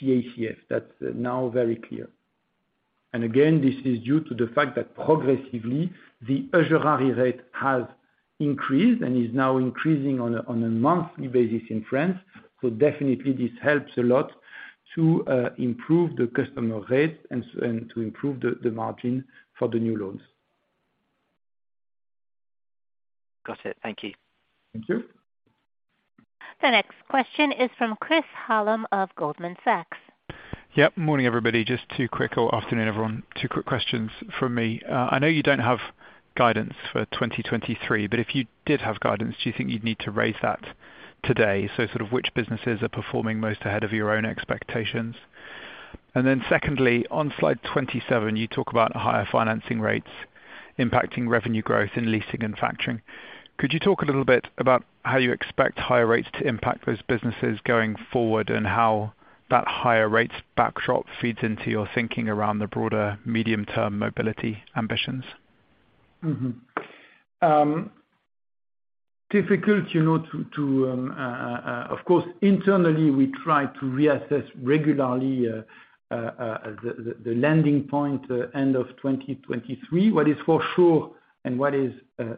CACF. That's now very clear. Again, this is due to the fact that progressively, the usury rate has increased and is now increasing on a monthly basis in France. Definitely this helps a lot to improve the customer rate and to improve the margin for the new loans. Got it. Thank you. Thank you. The next question is from Chris Hallam of Goldman Sachs. Morning, everybody. Afternoon, everyone. Two quick questions from me. I know you don't have guidance for 2023, but if you did have guidance, do you think you'd need to raise that today? Sort of which businesses are performing most ahead of your own expectations. Secondly, on slide 27, you talk about higher financing rates impacting revenue growth in leasing and factoring. Could you talk a little bit about how you expect higher rates to impact those businesses going forward, and how that higher rates backdrop feeds into your thinking around the broader medium term mobility ambitions? Difficult, you know, to, of course, internally, we try to reassess regularly, the landing point end of 2023. What is for sure and what is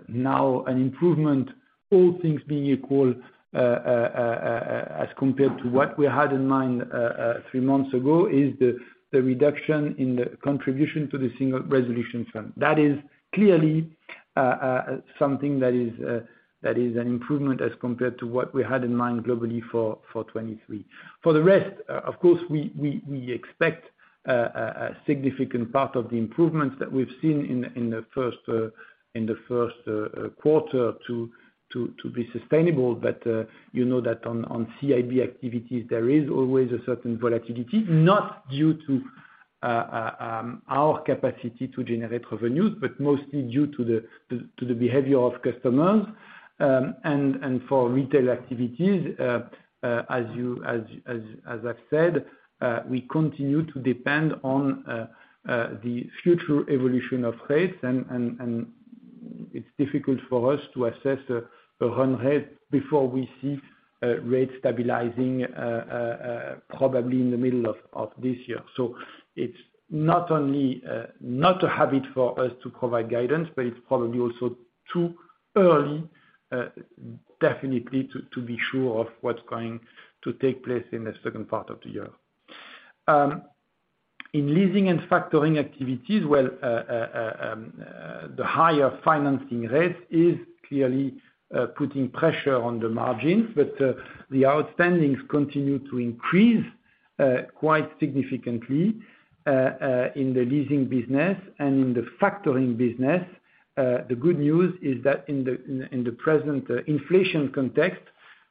now an improvement, all things being equal, as compared to what we had in mind, three months ago, is the reduction in the contribution to the Single Resolution Fund. That is clearly something that is an improvement as compared to what we had in mind globally for 2023. For the rest, of course, we expect a significant part of the improvements that we've seen in the 1st, in the 1st quarter to be sustainable. You know that on CIB activities, there is always a certain volatility, not due to our capacity to generate revenues, but mostly due to the behavior of customers. And for retail activities, as I've said, we continue to depend on the future evolution of rates. And it's difficult for us to assess the run rate before we see rates stabilizing probably in the middle of this year. It's not only not a habit for us to provide guidance, but it's probably also too early definitely to be sure of what's going to take place in the second part of the year. In leasing and factoring activities, well, the higher financing rates is clearly putting pressure on the margins. The outstandings continue to increase quite significantly in the leasing business. In the factoring business, the good news is that in the present inflation context,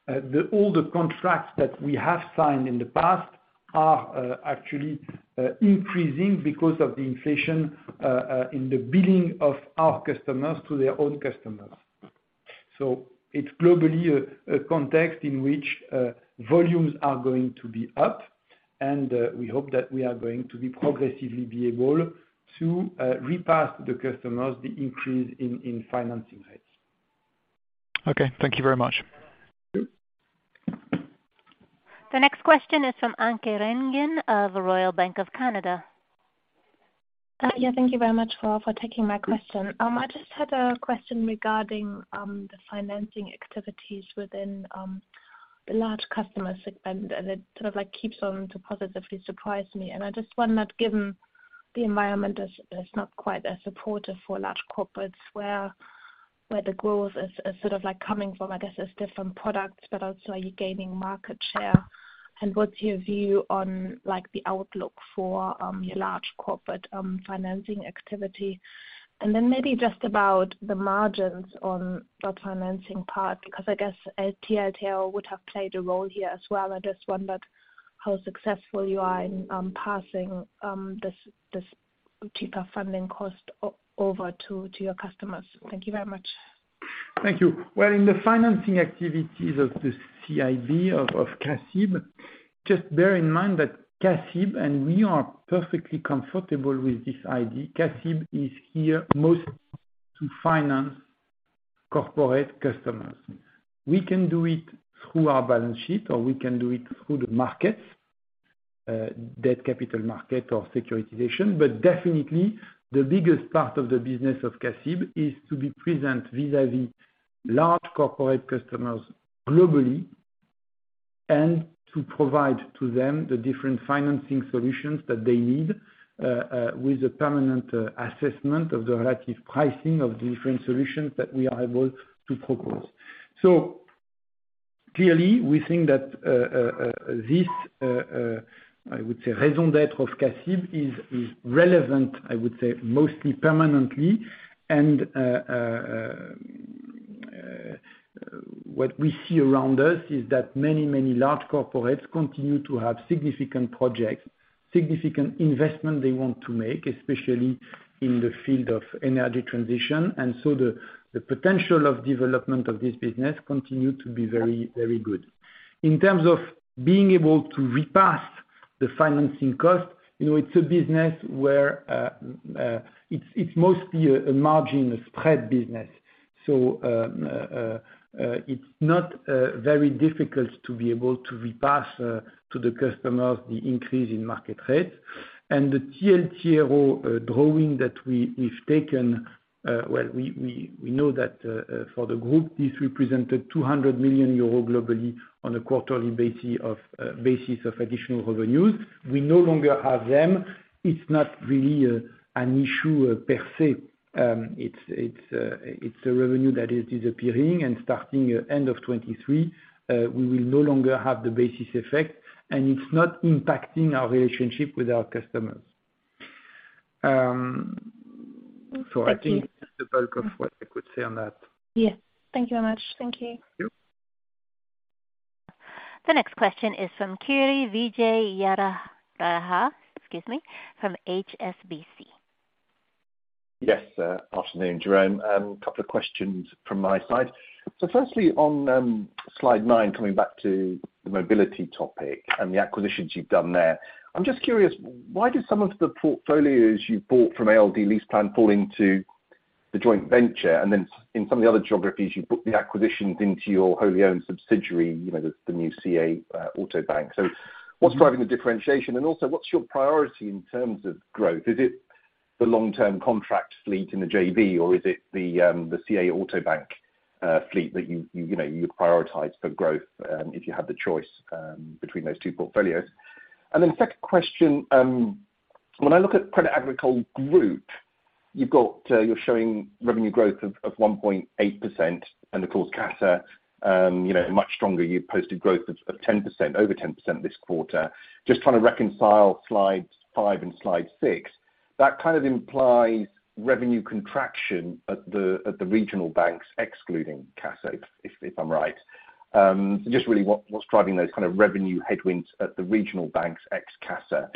the all the contracts that we have signed in the past are actually increasing because of the inflation in the billing of our customers to their own customers. It's globally a context in which volumes are going to be up, and we hope that we are going to be progressively be able to repass the customers the increase in financing rates. Okay. Thank you very much. Thank you. The next question is from Anke Reingen of Royal Bank of Canada. Yeah. Thank you very much for taking my question. I just had a question regarding the financing activities within the large customer segment, and it sort of like keeps on to positively surprise me. I just wonder, not given the environment is not quite as supportive for large corporates, where the growth is sort of like coming from, I guess, as different products. Also, are you gaining market share, and what's your view on, like, the outlook for your large corporate financing activity? Then maybe just about the margins on the financing part, because I guess TLTRO would have played a role here as well. I just wondered how successful you are in passing this cheaper funding cost over to your customers. Thank you very much. Thank you. In the financing activities of CIB, just bear in mind that we are perfectly comfortable with this idea. CIB is here mostly to finance Corporate customers. We can do it through our balance sheet, or we can do it through the markets, debt capital market or securitization. Definitely, the biggest part of the business of CACIB is to be present vis-à-vis large corporate customers globally, and to provide to them the different financing solutions that they need with a permanent assessment of the relative pricing of the different solutions that we are able to propose. Clearly, we think that this, I would say, raison d'être of CACIB is relevant, I would say, mostly permanently. What we see around us is that many large corporates continue to have significant projects, significant investment they want to make, especially in the field of energy transition. The potential of development of this business continue to be very good. In terms of being able to repass the financing cost, you know, it's a business where it's mostly a margin spread business. It's not very difficult to be able to repass to the customer the increase in market rates. The TLTRO drawing that we've taken, well, we know that for the group, this represented 200 million euro globally on a quarterly basis of additional revenues. We no longer have them. It's not really an issue per se. It's a revenue that is disappearing. Starting end of 2023, we will no longer have the basis effect, and it's not impacting our relationship with our customers. I think that's the bulk of what I could say on that. Yeah. Thank you very much. Thank you. Thank you. The next question is from Kiri Vijayarajah, excuse me, from HSBC. Yes, sir. Afternoon, Jérôme. A couple of questions from my side. Firstly on slide 9, coming back to the mobility topic and the acquisitions you've done there, I'm just curious, why do some of the portfolios you bought from ALD LeasePlan fall into the joint venture? Then in some of the other geographies, you book the acquisitions into your wholly owned subsidiary, you know, the new CA Auto Bank. What's driving the differentiation? Also, what's your priority in terms of growth? Is it the long-term contract fleet in the JV, or is it the CA Auto Bank fleet that you know you would prioritize for growth if you had the choice between those two portfolios? Second question, when I look at Crédit Agricole Group, you've got, you're showing revenue growth of 1.8%, and of course, CACEIS, you know, much stronger, you've posted growth of 10%, over 10% this quarter. Just trying to reconcile slides 5 and slide 6. That kind of implies revenue contraction at the regional banks excluding CACEIS, if I'm right. Just really what's driving those kind of revenue headwinds at the regional banks ex CACEIS.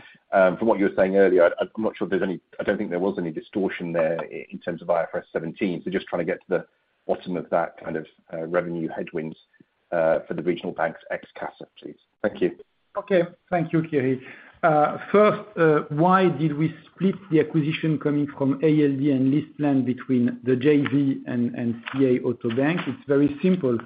From what you were saying earlier, I'm not sure there's any I don't think there was any distortion there in terms of IFRS 17. Just trying to get to the bottom of that kind of revenue headwinds for the regional banks ex CACEIS, please. Thank you. Okay. Thank you, Kiri. First, why did we split the acquisition coming from ALD and LeasePlan between the JV and CA Auto Bank? It's very simple.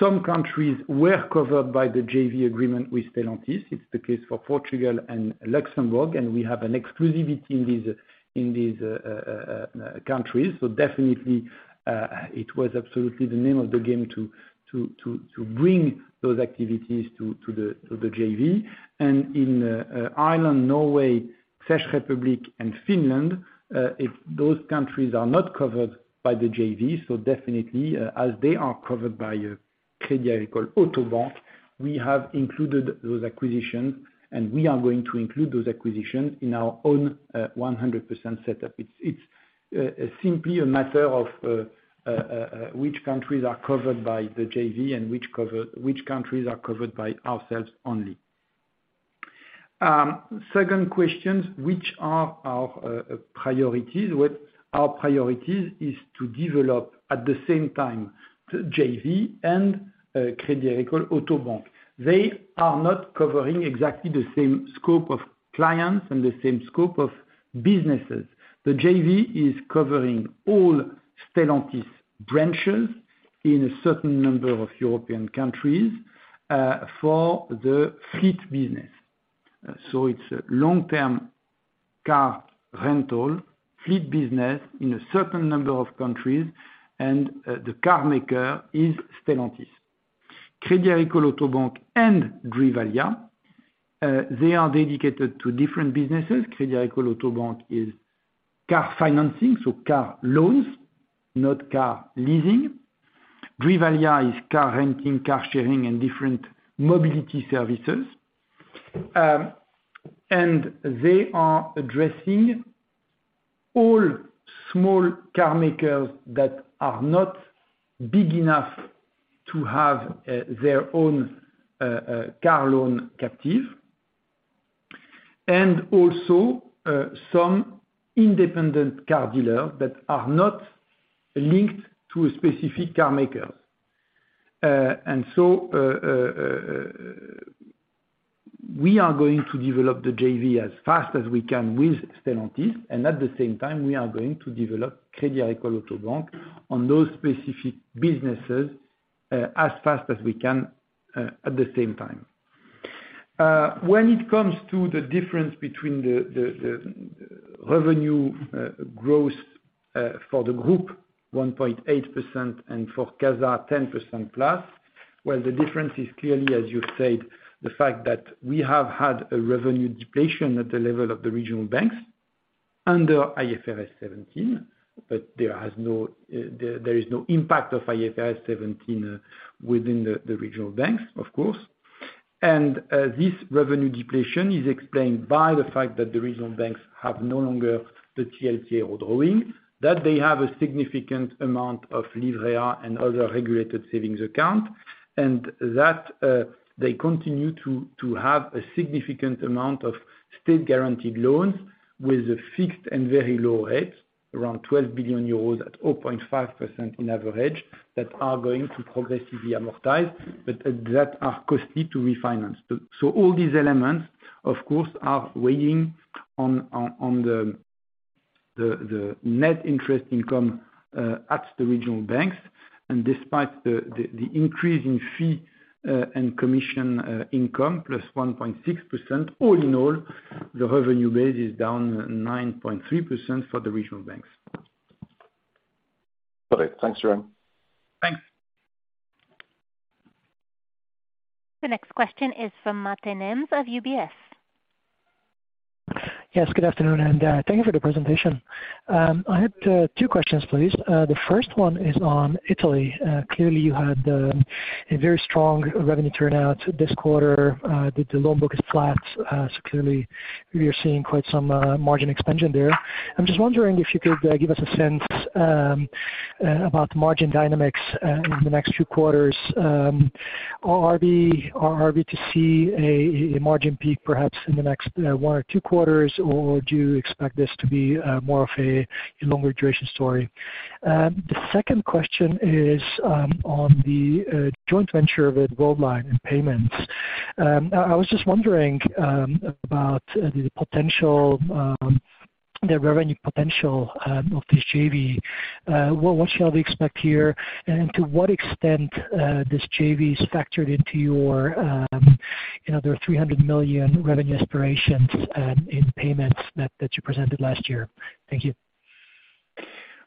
Some countries were covered by the JV agreement with Stellantis. It's the case for Portugal and Luxembourg, and we have an exclusivity in these countries. Definitely, it was absolutely the name of the game to bring those activities to the JV. In Ireland, Norway, Czech Republic and Finland, if those countries are not covered by the JV, definitely as they are covered by Crédit Agricole Auto Bank, we have included those acquisitions, and we are going to include those acquisitions in our own 100% setup. It's simply a matter of which countries are covered by the JV and which countries are covered by ourselves only. Second question, which are our priorities? What our priorities is to develop at the same time the JV and Crédit Agricole Auto Bank. They are not covering exactly the same scope of clients and the same scope of businesses. The JV is covering all Stellantis branches in a certain number of European countries for the fleet business. It's long-term car rental fleet business in a certain number of countries, and the car maker is Stellantis. Crédit Agricole Auto Bank and Drivalia, they are dedicated to different businesses. Crédit Agricole Auto Bank is car financing, so car loans, not car leasing. Drivalia is car renting, car sharing and different mobility services. Um, and they are addressing all small car makers that are not big enough to have, uh, their own, uh, uh, car loan captive, and also, uh, some independent car dealer that are not linked to a specific car makers. Uh, and so, uh, uh, uh, uh, uh, We are going to develop the JV as fast as we can with Stellantis, and at the same time, we are going to develop Crédit Agricole Auto Bank on those specific businesses, uh, as fast as we can, uh, at the same time. When it comes to the difference between the revenue gross for the group, 1.8%, and for CASA, 10%+, well, the difference is clearly, as you said, the fact that we have had a revenue depletion at the level of the regional banks under IFRS 17, but there is no impact of IFRS 17 within the regional banks, of course. This revenue depletion is explained by the fact that the regional banks have no longer the TLTRO or drawing, that they have a significant amount of Livret A and other regulated savings account. That they continue to have a significant amount of state-guaranteed loans with a fixed and very low rates, around 12 billion euros at 0.5% in average, that are going to progressively amortize, but that are costly to refinance. All these elements, of course, are weighing on the net interest income at the Regional Banks. Despite the increase in fee and commission income, +1.6%, all in all, the revenue base is down 9.3% for the Regional Banks. Okay. Thanks, Jérôme. Thanks. The next question is from Mate Nemes of UBS. Yes, good afternoon, thank you for the presentation. I had two questions, please. The first one is on Italy. Clearly you had a very strong revenue turnout this quarter. The loan book is flat, clearly you're seeing quite some margin expansion there. I'm just wondering if you could give us a sense about margin dynamics in the next few quarters. Are we to see a margin peak, perhaps, in the next one or two quarters, or do you expect this to be more of a longer duration story? The second question is on the joint venture with Worldline and payments. I was just wondering about the potential, the revenue potential of this JV. What shall we expect here? To what extent, this JV is factored into your, other 300 million revenue aspirations, in payments that you presented last year? Thank you.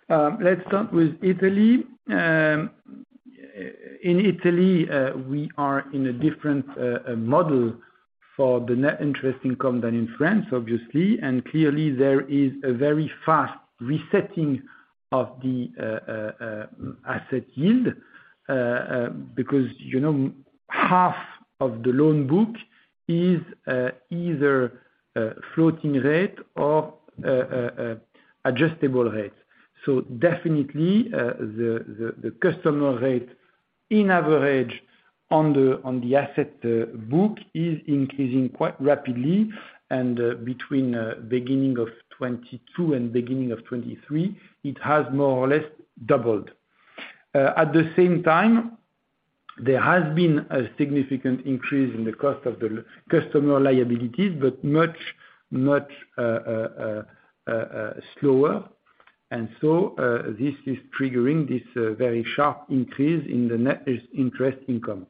Let's start with Italy. In Italy, we are in a different model for the net interest income than in France, obviously. Clearly, there is a very fast resetting of the asset yield, because, you know, half of the loan book is either floating rate or adjustable rate. Definitely, the customer rate in average on the asset book is increasing quite rapidly. Between beginning of 2022 and beginning of 2023, it has more or less doubled. At the same time, there has been a significant increase in the cost of the customer liabilities, but much slower. This is triggering this very sharp increase in the net interest income.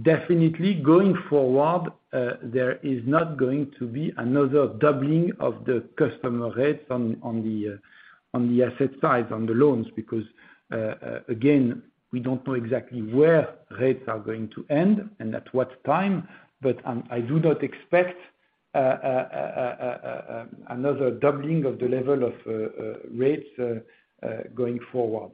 Definitely going forward, there is not going to be another doubling of the customer rates on the asset side, on the loans, because again, we don't know exactly where rates are going to end and at what time. I do not expect another doubling of the level of rates going forward.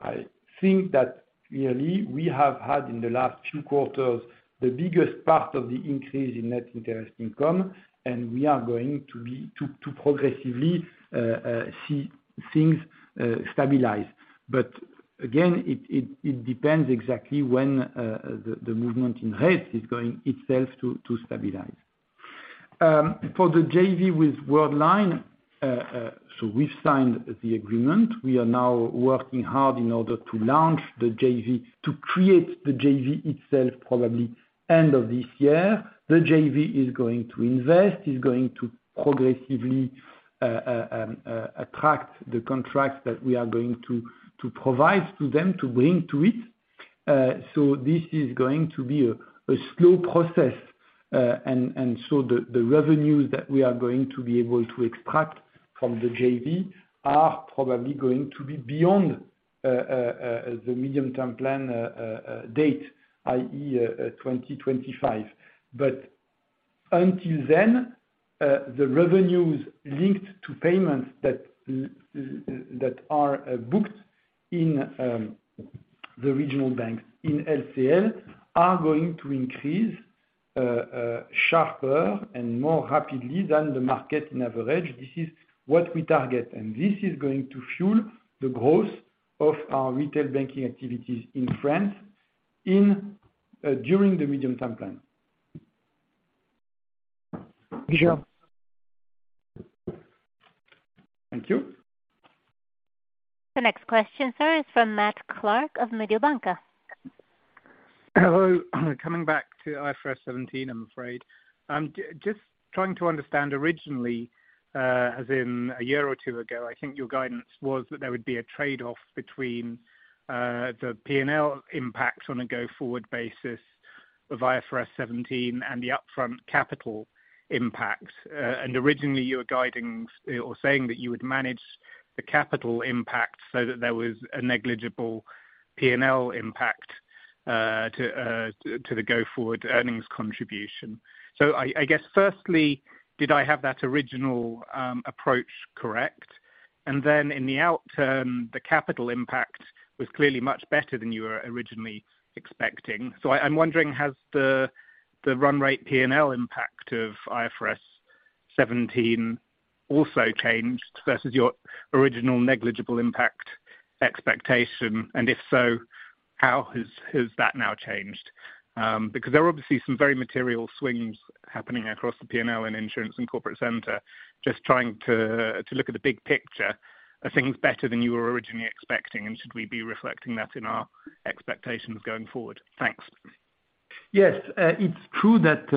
I think that really we have had in the last few quarters the biggest part of the increase in net interest income, and we are going to be to progressively see things stabilize. Again, it depends exactly when the movement in rates is going itself to stabilize. For the JV with Worldline, we've signed the agreement. We are now working hard in order to launch the JV, to create the JV itself probably end of this year. The JV is going to invest, is going to progressively attract the contracts that we are going to provide to them, to bring to it. This is going to be a slow process. The revenues that we are going to be able to extract from the JV are probably going to be beyond the Medium-Term Plan date, i.e., 2025. Until then, the revenues linked to payments that are booked in the regional banks in LCL are going to increase sharper and more rapidly than the market in average. This is what we target. This is going to fuel the growth of our retail banking activities in France in, during the Medium Term Plan. Jerome? Thank you. The next question, sir, is from Matthew Clark of Mediobanca. Hello. Coming back to IFRS 17, I'm afraid. Just trying to understand originally, as in a year or two ago, I think your guidance was that there would be a trade-off between the P&L impact on a go-forward basis of IFRS 17 and the upfront capital impact. Originally you were guiding or saying that you would manage the capital impact so that there was a negligible P&L impact to the go-forward earnings contribution. I guess firstly, did I have that original approach correct? In the out term, the capital impact was clearly much better than you were originally expecting. I'm wondering has the run rate P&L impact of IFRS 17 also changed versus your original negligible impact expectation, and if so, how has that now changed? There are obviously some very material swings happening across the P&L and insurance and corporate center. Just trying to look at the big picture, are things better than you were originally expecting, and should we be reflecting that in our expectations going forward? Thanks. Yes. It's true that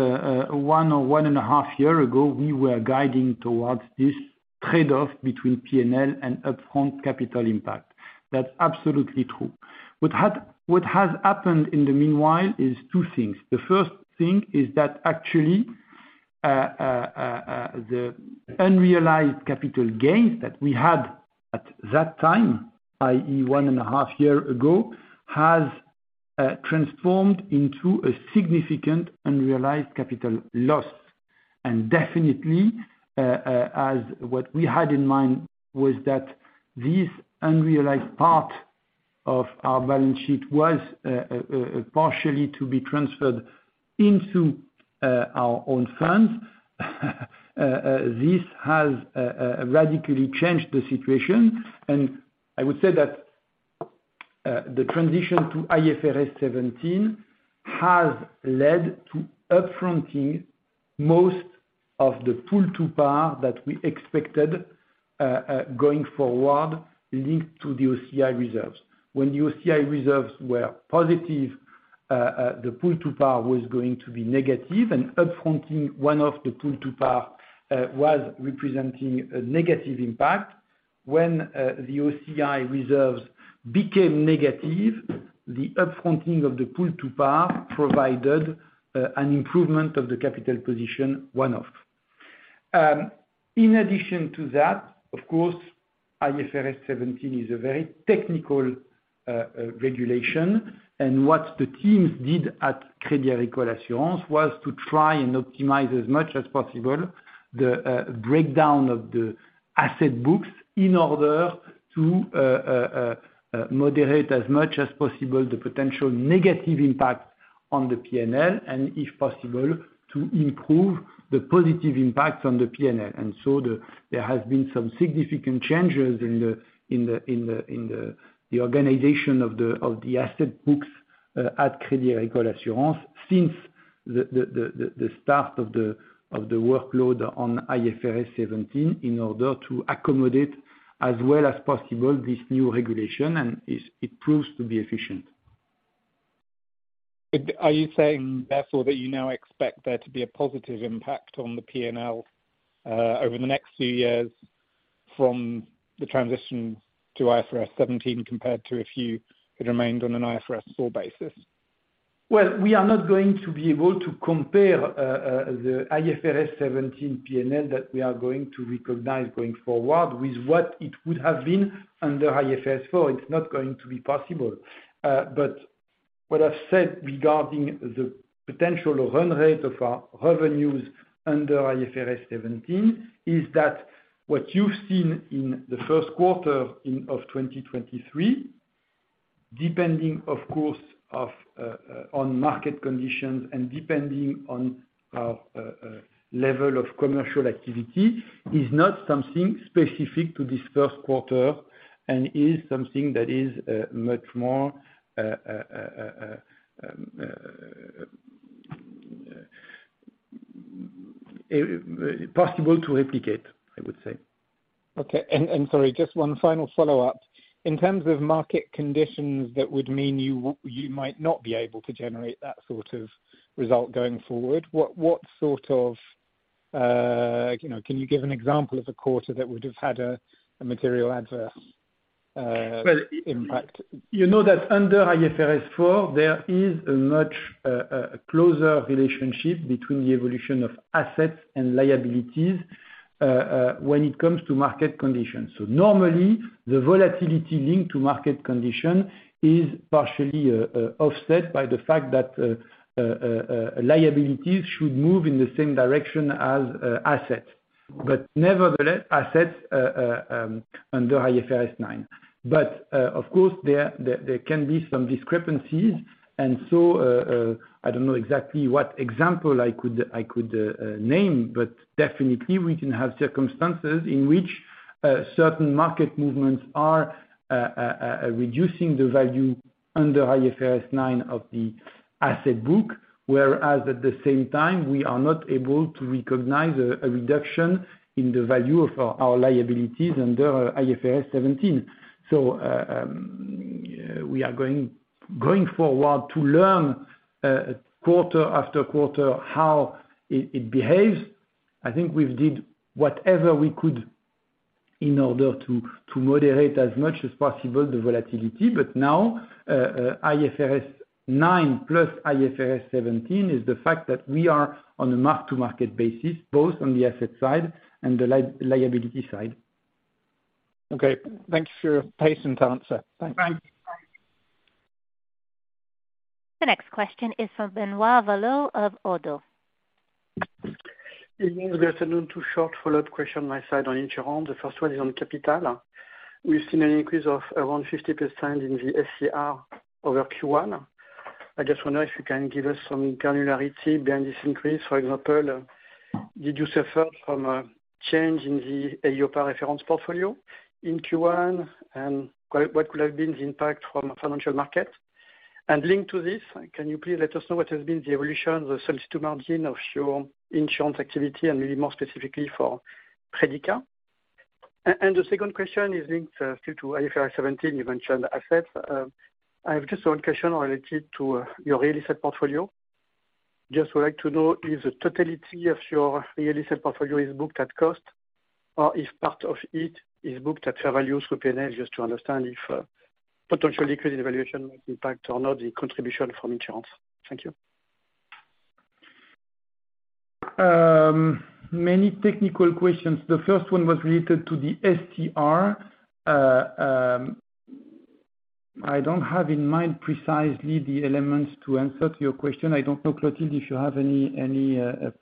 1 or 1 and a half year ago, we were guiding towards this trade-off between P&L and upfront capital impact. That's absolutely true. What has happened in the meanwhile is 2 things. The first thing is that actually, the unrealized capital gains that we had at that time, i.e., one and a half year ago, has transformed into a significant unrealized capital loss. Definitely, as what we had in mind was that this unrealized part of our balance sheet was partially to be transferred into our own funds. This has radically changed the situation. I would say that the transition to IFRS 17 has led to up-fronting most of the pool 2 par that we expected going forward linked to the OCI reserves. When the OCI reserves were positive, the pool 2 par was going to be negative. Up-fronting 1 of the pool 2 par was representing a negative impact. When the OCI reserves became negative, the up-fronting of the pool 2 par provided an improvement of the capital position one-off. In addition to that, of course, IFRS 17 is a very technical regulation. What the teams did at Crédit Agricole Assurances was to try and optimize as much as possible the breakdown of the asset books in order to moderate as much as possible the potential negative impact on the P&L, and if possible, to improve the positive impact on the P&L. There has been some significant changes in the organization of the asset books at Crédit Agricole Assurances since the start of the workload on IFRS 17 in order to accommodate as well as possible this new regulation, and it proves to be efficient. Are you saying therefore that you now expect there to be a positive impact on the P&L over the next few years from the transition to IFRS 17 compared to if you had remained on an IFRS 4 basis? Well, we are not going to be able to compare the IFRS 17 P&L that we are going to recognize going forward with what it would have been under IFRS 4. It's not going to be possible. What I've said regarding the potential run rate of our revenues under IFRS 17 is that what you've seen in the first quarter of 2023, depending of course, on market conditions and depending on our level of commercial activity, is not something specific to this first quarter and is something that is much more possible to replicate, I would say. Okay. Sorry, just one final follow-up. In terms of market conditions that would mean you might not be able to generate that sort of result going forward, what sort of, you know, can you give an example of a quarter that would have had a material adverse... Well- -impact? You know that under IFRS 4, there is a much closer relationship between the evolution of assets and liabilities when it comes to market conditions. Normally, the volatility linked to market condition is partially offset by the fact that liabilities should move in the same direction as assets. Nevertheless, assets under IFRS 9. Of course, there, there can be some discrepancies. I don't know exactly what example I could, I could name, but definitely we can have circumstances in which certain market movements are reducing the value under IFRS 9 of the asset book. Whereas at the same time, we are not able to recognize a reduction in the value of our liabilities under IFRS 17. We are going forward to learn, quarter after quarter how it behaves. I think we've did whatever we could in order to moderate as much as possible the volatility. Now, IFRS 9 +IFRS 17 is the fact that we are on a mark-to-market basis, both on the asset side and the liability side. Okay. Thank you for your patient answer. Thanks. The next question is from Benoit Valleaux of ODDO BHF. Good afternoon. Two short follow-up question my side on insurance. The first one is on capital. We've seen an increase of around 50% in the SCR over Q1. I just wonder if you can give us some granularity behind this increase. For example, did you suffer from a change in the EIOPA reference portfolio in Q1? What could have been the impact from a financial market? Linked to this, can you please let us know what has been the evolution of the solvency margin of your insurance activity, and maybe more specifically for Predica? The second question is linked to IFRS 17, you mentioned assets. I have just one question related to your real estate portfolio. Just would like to know if the totality of your real estate portfolio is booked at cost, or if part of it is booked at fair value through P&L, just to understand if potential liquidity valuation might impact or not the contribution from insurance. Thank you. Many technical questions. The first one was related to the STR. I don't have in mind precisely the elements to answer to your question. I don't know, Clotilde, if you have any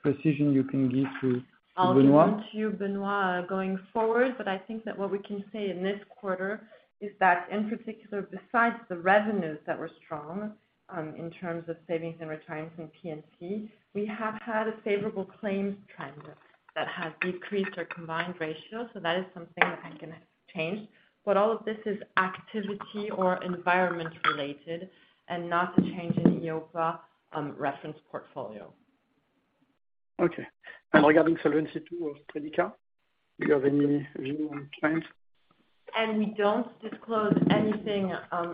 precision you can give to Benoit. I'll get to you, Benoit, going forward, but I think that what we can say in this quarter is that in particular, besides the revenues that were strong, in terms of savings and retirement and PNC, we have had a favorable claims trend that has decreased our combined ratio. That is something that can change. All of this is activity or environment related and not a change in EIOPA reference portfolio. Okay. Regarding Solvency II, of Predica, do you have any view on trends? We don't disclose anything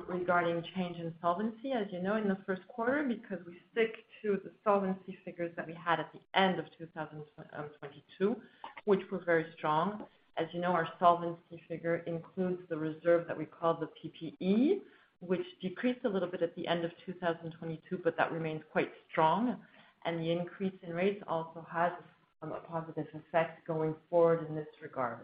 regarding change in solvency, as you know, in the first quarter, because we stick to the solvency figures that we had at the end of 2022, which were very strong. As you know, our solvency figure includes the reserve that we call the PPE, which decreased a little bit at the end of 2022, that remained quite strong. The increase in rates also has a positive effect going forward in this regard.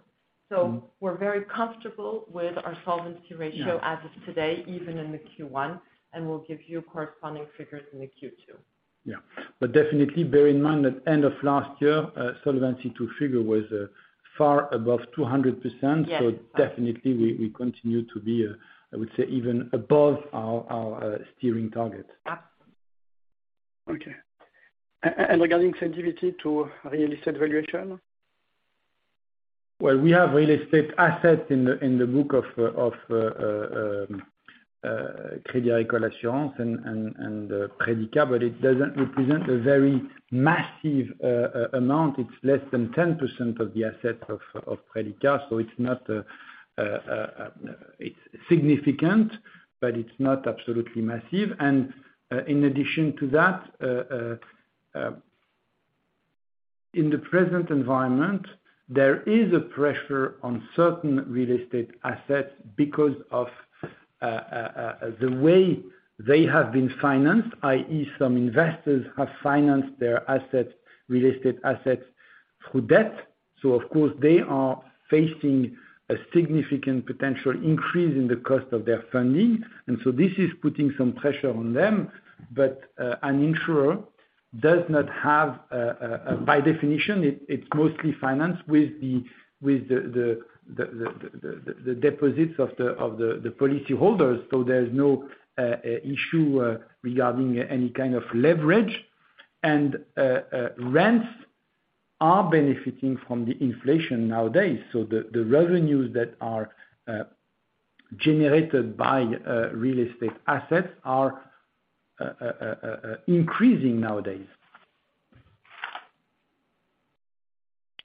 We're very comfortable with our solvency ratio. Yeah. As of today, even in the Q1, and we'll give you corresponding figures in the Q2. Yeah. Definitely bear in mind that end of last year, Solvency II figure was far above 200%. Yes. Definitely we continue to be, I would say even above our steering target. Yeah. Okay. Regarding sensitivity to real estate valuation? Well, we have real estate assets in the book of Crédit Agricole Assurances and Predica, but it doesn't represent a very massive amount. It's less than 10% of the assets of Predica. It's not, it's significant, but it's not absolutely massive. In addition to that, in the present environment, there is a pressure on certain real estate assets because of the way they have been financed, i.e., some investors have financed their assets, real estate assets through debt. Of course, they are facing a significant potential increase in the cost of their funding. This is putting some pressure on them. An insurer does not have, by definition, it's mostly financed with the deposits of the policy holders, so there's no issue regarding any kind of leverage. Rents are benefiting from the inflation nowadays. The revenues that are generated by real estate assets are increasing nowadays.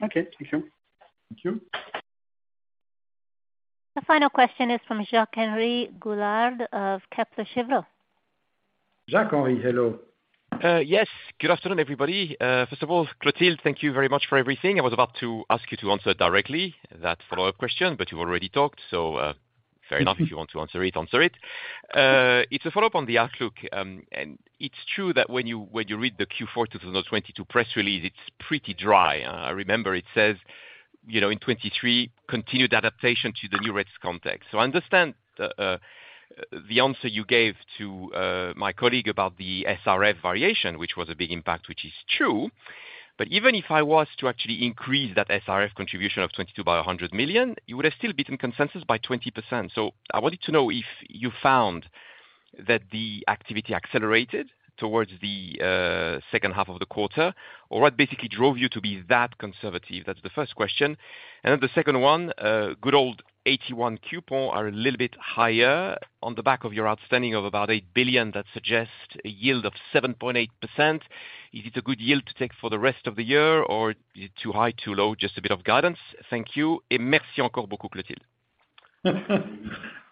Okay, thank you. Thank you. The final question is from Jacques-Henri Gaulard of Kepler Cheuvreux. Jacques-Henry, hello. Yes. Good afternoon, everybody. First of all, Clotilde, thank you very much for everything. I was about to ask you to answer directly that follow-up question, you've already talked, fair enough. If you want to answer it, answer it. It's a follow-up on the outlook. It's true that when you, when you read the Q4 2022 press release, it's pretty dry. I remember it says, you know, in 2023, continued adaptation to the new rates context. I understand the answer you gave to my colleague about the SRF variation, which was a big impact, which is true. Even if I was to actually increase that SRF contribution of 2022 by 100 million, you would have still beaten consensus by 20%. I wanted to know if you found that the activity accelerated towards the second half of the quarter, or what basically drove you to be that conservative? That's the first question. The second one, good old AT1 coupon are a little bit higher on the back of your outstanding of about 8 billion. That suggests a yield of 7.8%. Is it a good yield to take for the rest of the year or too high, too low? Just a bit of guidance. Thank you. French.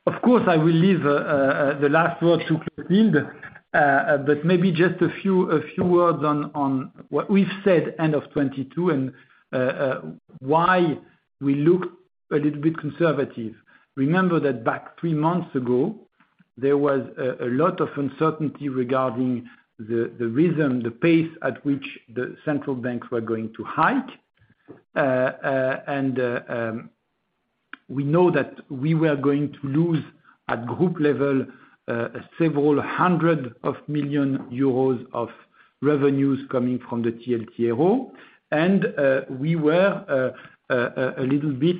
Of course, I will leave the last word to Clothilde. Maybe just a few words on what we've said end of 2022 and why we look a little bit conservative. Remember that back 3 months ago, there was a lot of uncertainty regarding the rhythm, the pace at which the central banks were going to hike. And we know that we were going to lose at group level, several hundred million EUR of revenues coming from the TLTRO. We were a little bit,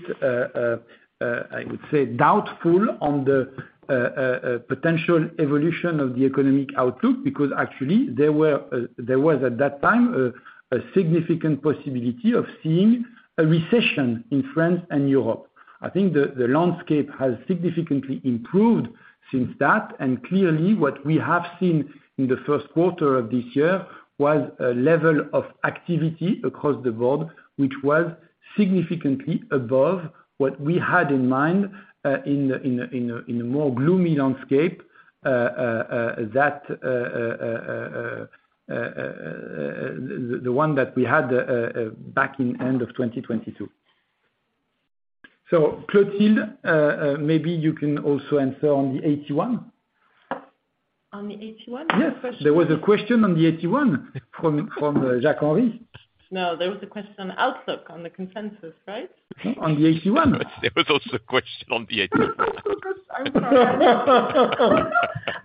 I would say doubtful on the potential evolution of the economic outlook, because actually there was, at that time, a significant possibility of seeing a recession in France and Europe. I think the landscape has significantly improved since that. Clearly what we have seen in the first quarter of this year was a level of activity across the board, which was significantly above what we had in mind, in the, in the, in a more gloomy landscape, that, the one that we had back in end of 2022. Clothilde, maybe you can also answer on the AT1. On the AT1? Yes. There was a question on the AT1 from Jacques-Henri Gaulard. No, there was a question on outlook, on the consensus, right? On the AT1. There was also a question on the AT1. I'm sorry.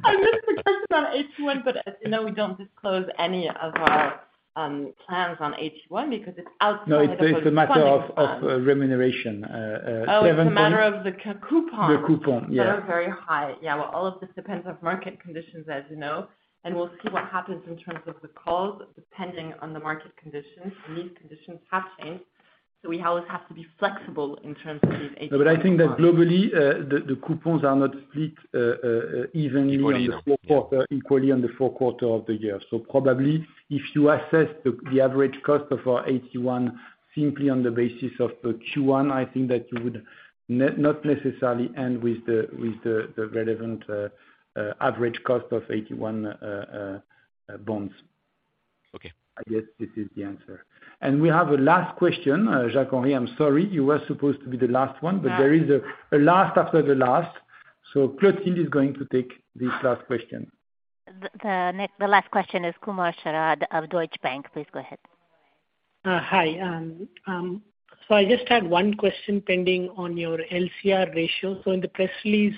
I missed the question on AT1, as you know, we don't disclose any of our plans on AT1 because it's outside of. It is a matter of remuneration. Oh, it's a matter of the coupon. The coupon, yeah. That are very high. Yeah. Well, all of this depends on market conditions, as you know, and we'll see what happens in terms of the calls, depending on the market conditions. These conditions have changed, so we always have to be flexible in terms of these AT1. I think that globally, the coupons are not split, evenly. Equally, no. On the fourth quarter, equally on the fourth quarter of the year. Probably if you assess the average cost of our AT1 simply on the basis of the Q1, I think that you would not necessarily end with the, with the relevant average cost of AT1 bonds. Okay. I guess this is the answer. We have a last question. Jacques-Henri, I'm sorry, you were supposed to be the last one, but there is a last after the last. Clothilde is going to take this last question. The last question is Sharath Kumar of Deutsche Bank. Please go ahead. Hi. I just had one question pending on your LCR ratio. In the press release,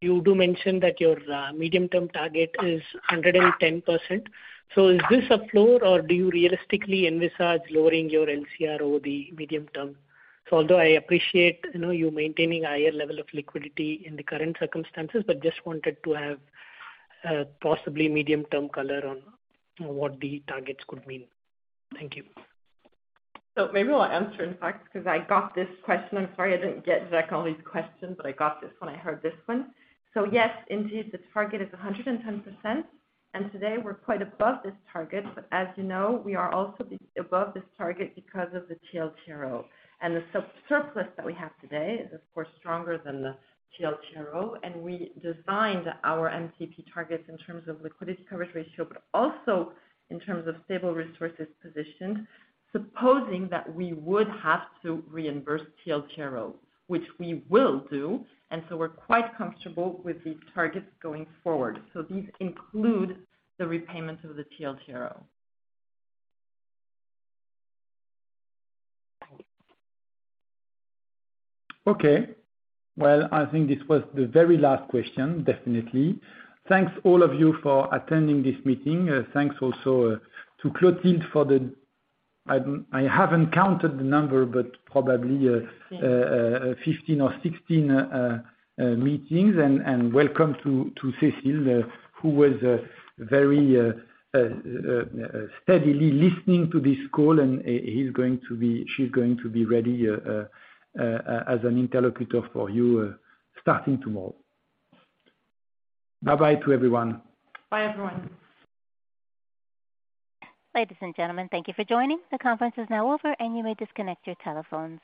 you do mention that your medium-term target is 110%. Is this a floor or do you realistically envisage lowering your LCR over the medium term? Although I appreciate, you know, you maintaining higher level of liquidity in the current circumstances, but just wanted to have possibly medium-term color on what the targets could mean. Thank you. Maybe I'll answer in fact, 'cause I got this question. I'm sorry, I didn't get Jacques Henry's question, but I got this one. I heard this one. Yes, indeed, the target is 110%, and today we're quite above this target. As you know, we are also above this target because of the TLTRO. The surplus that we have today is of course stronger than the TLTRO. We designed our MTP targets in terms of liquidity coverage ratio, but also in terms of stable resources positioned, supposing that we would have to reimburse TLTRO, which we will do. We're quite comfortable with these targets going forward. These include the repayments of the TLTRO. Thank you. Okay. Well, I think this was the very last question, definitely. Thanks all of you for attending this meeting. Thanks also to Clotilde for the. I haven't counted the number, but probably. Six... 15 or 16 meetings. Welcome to Cecile, who was very steadily listening to this call. She's going to be ready as an interlocutor for you, starting tomorrow. Bye-bye to everyone. Bye, everyone. Ladies and gentlemen, thank you for joining. The conference is now over. You may disconnect your telephones.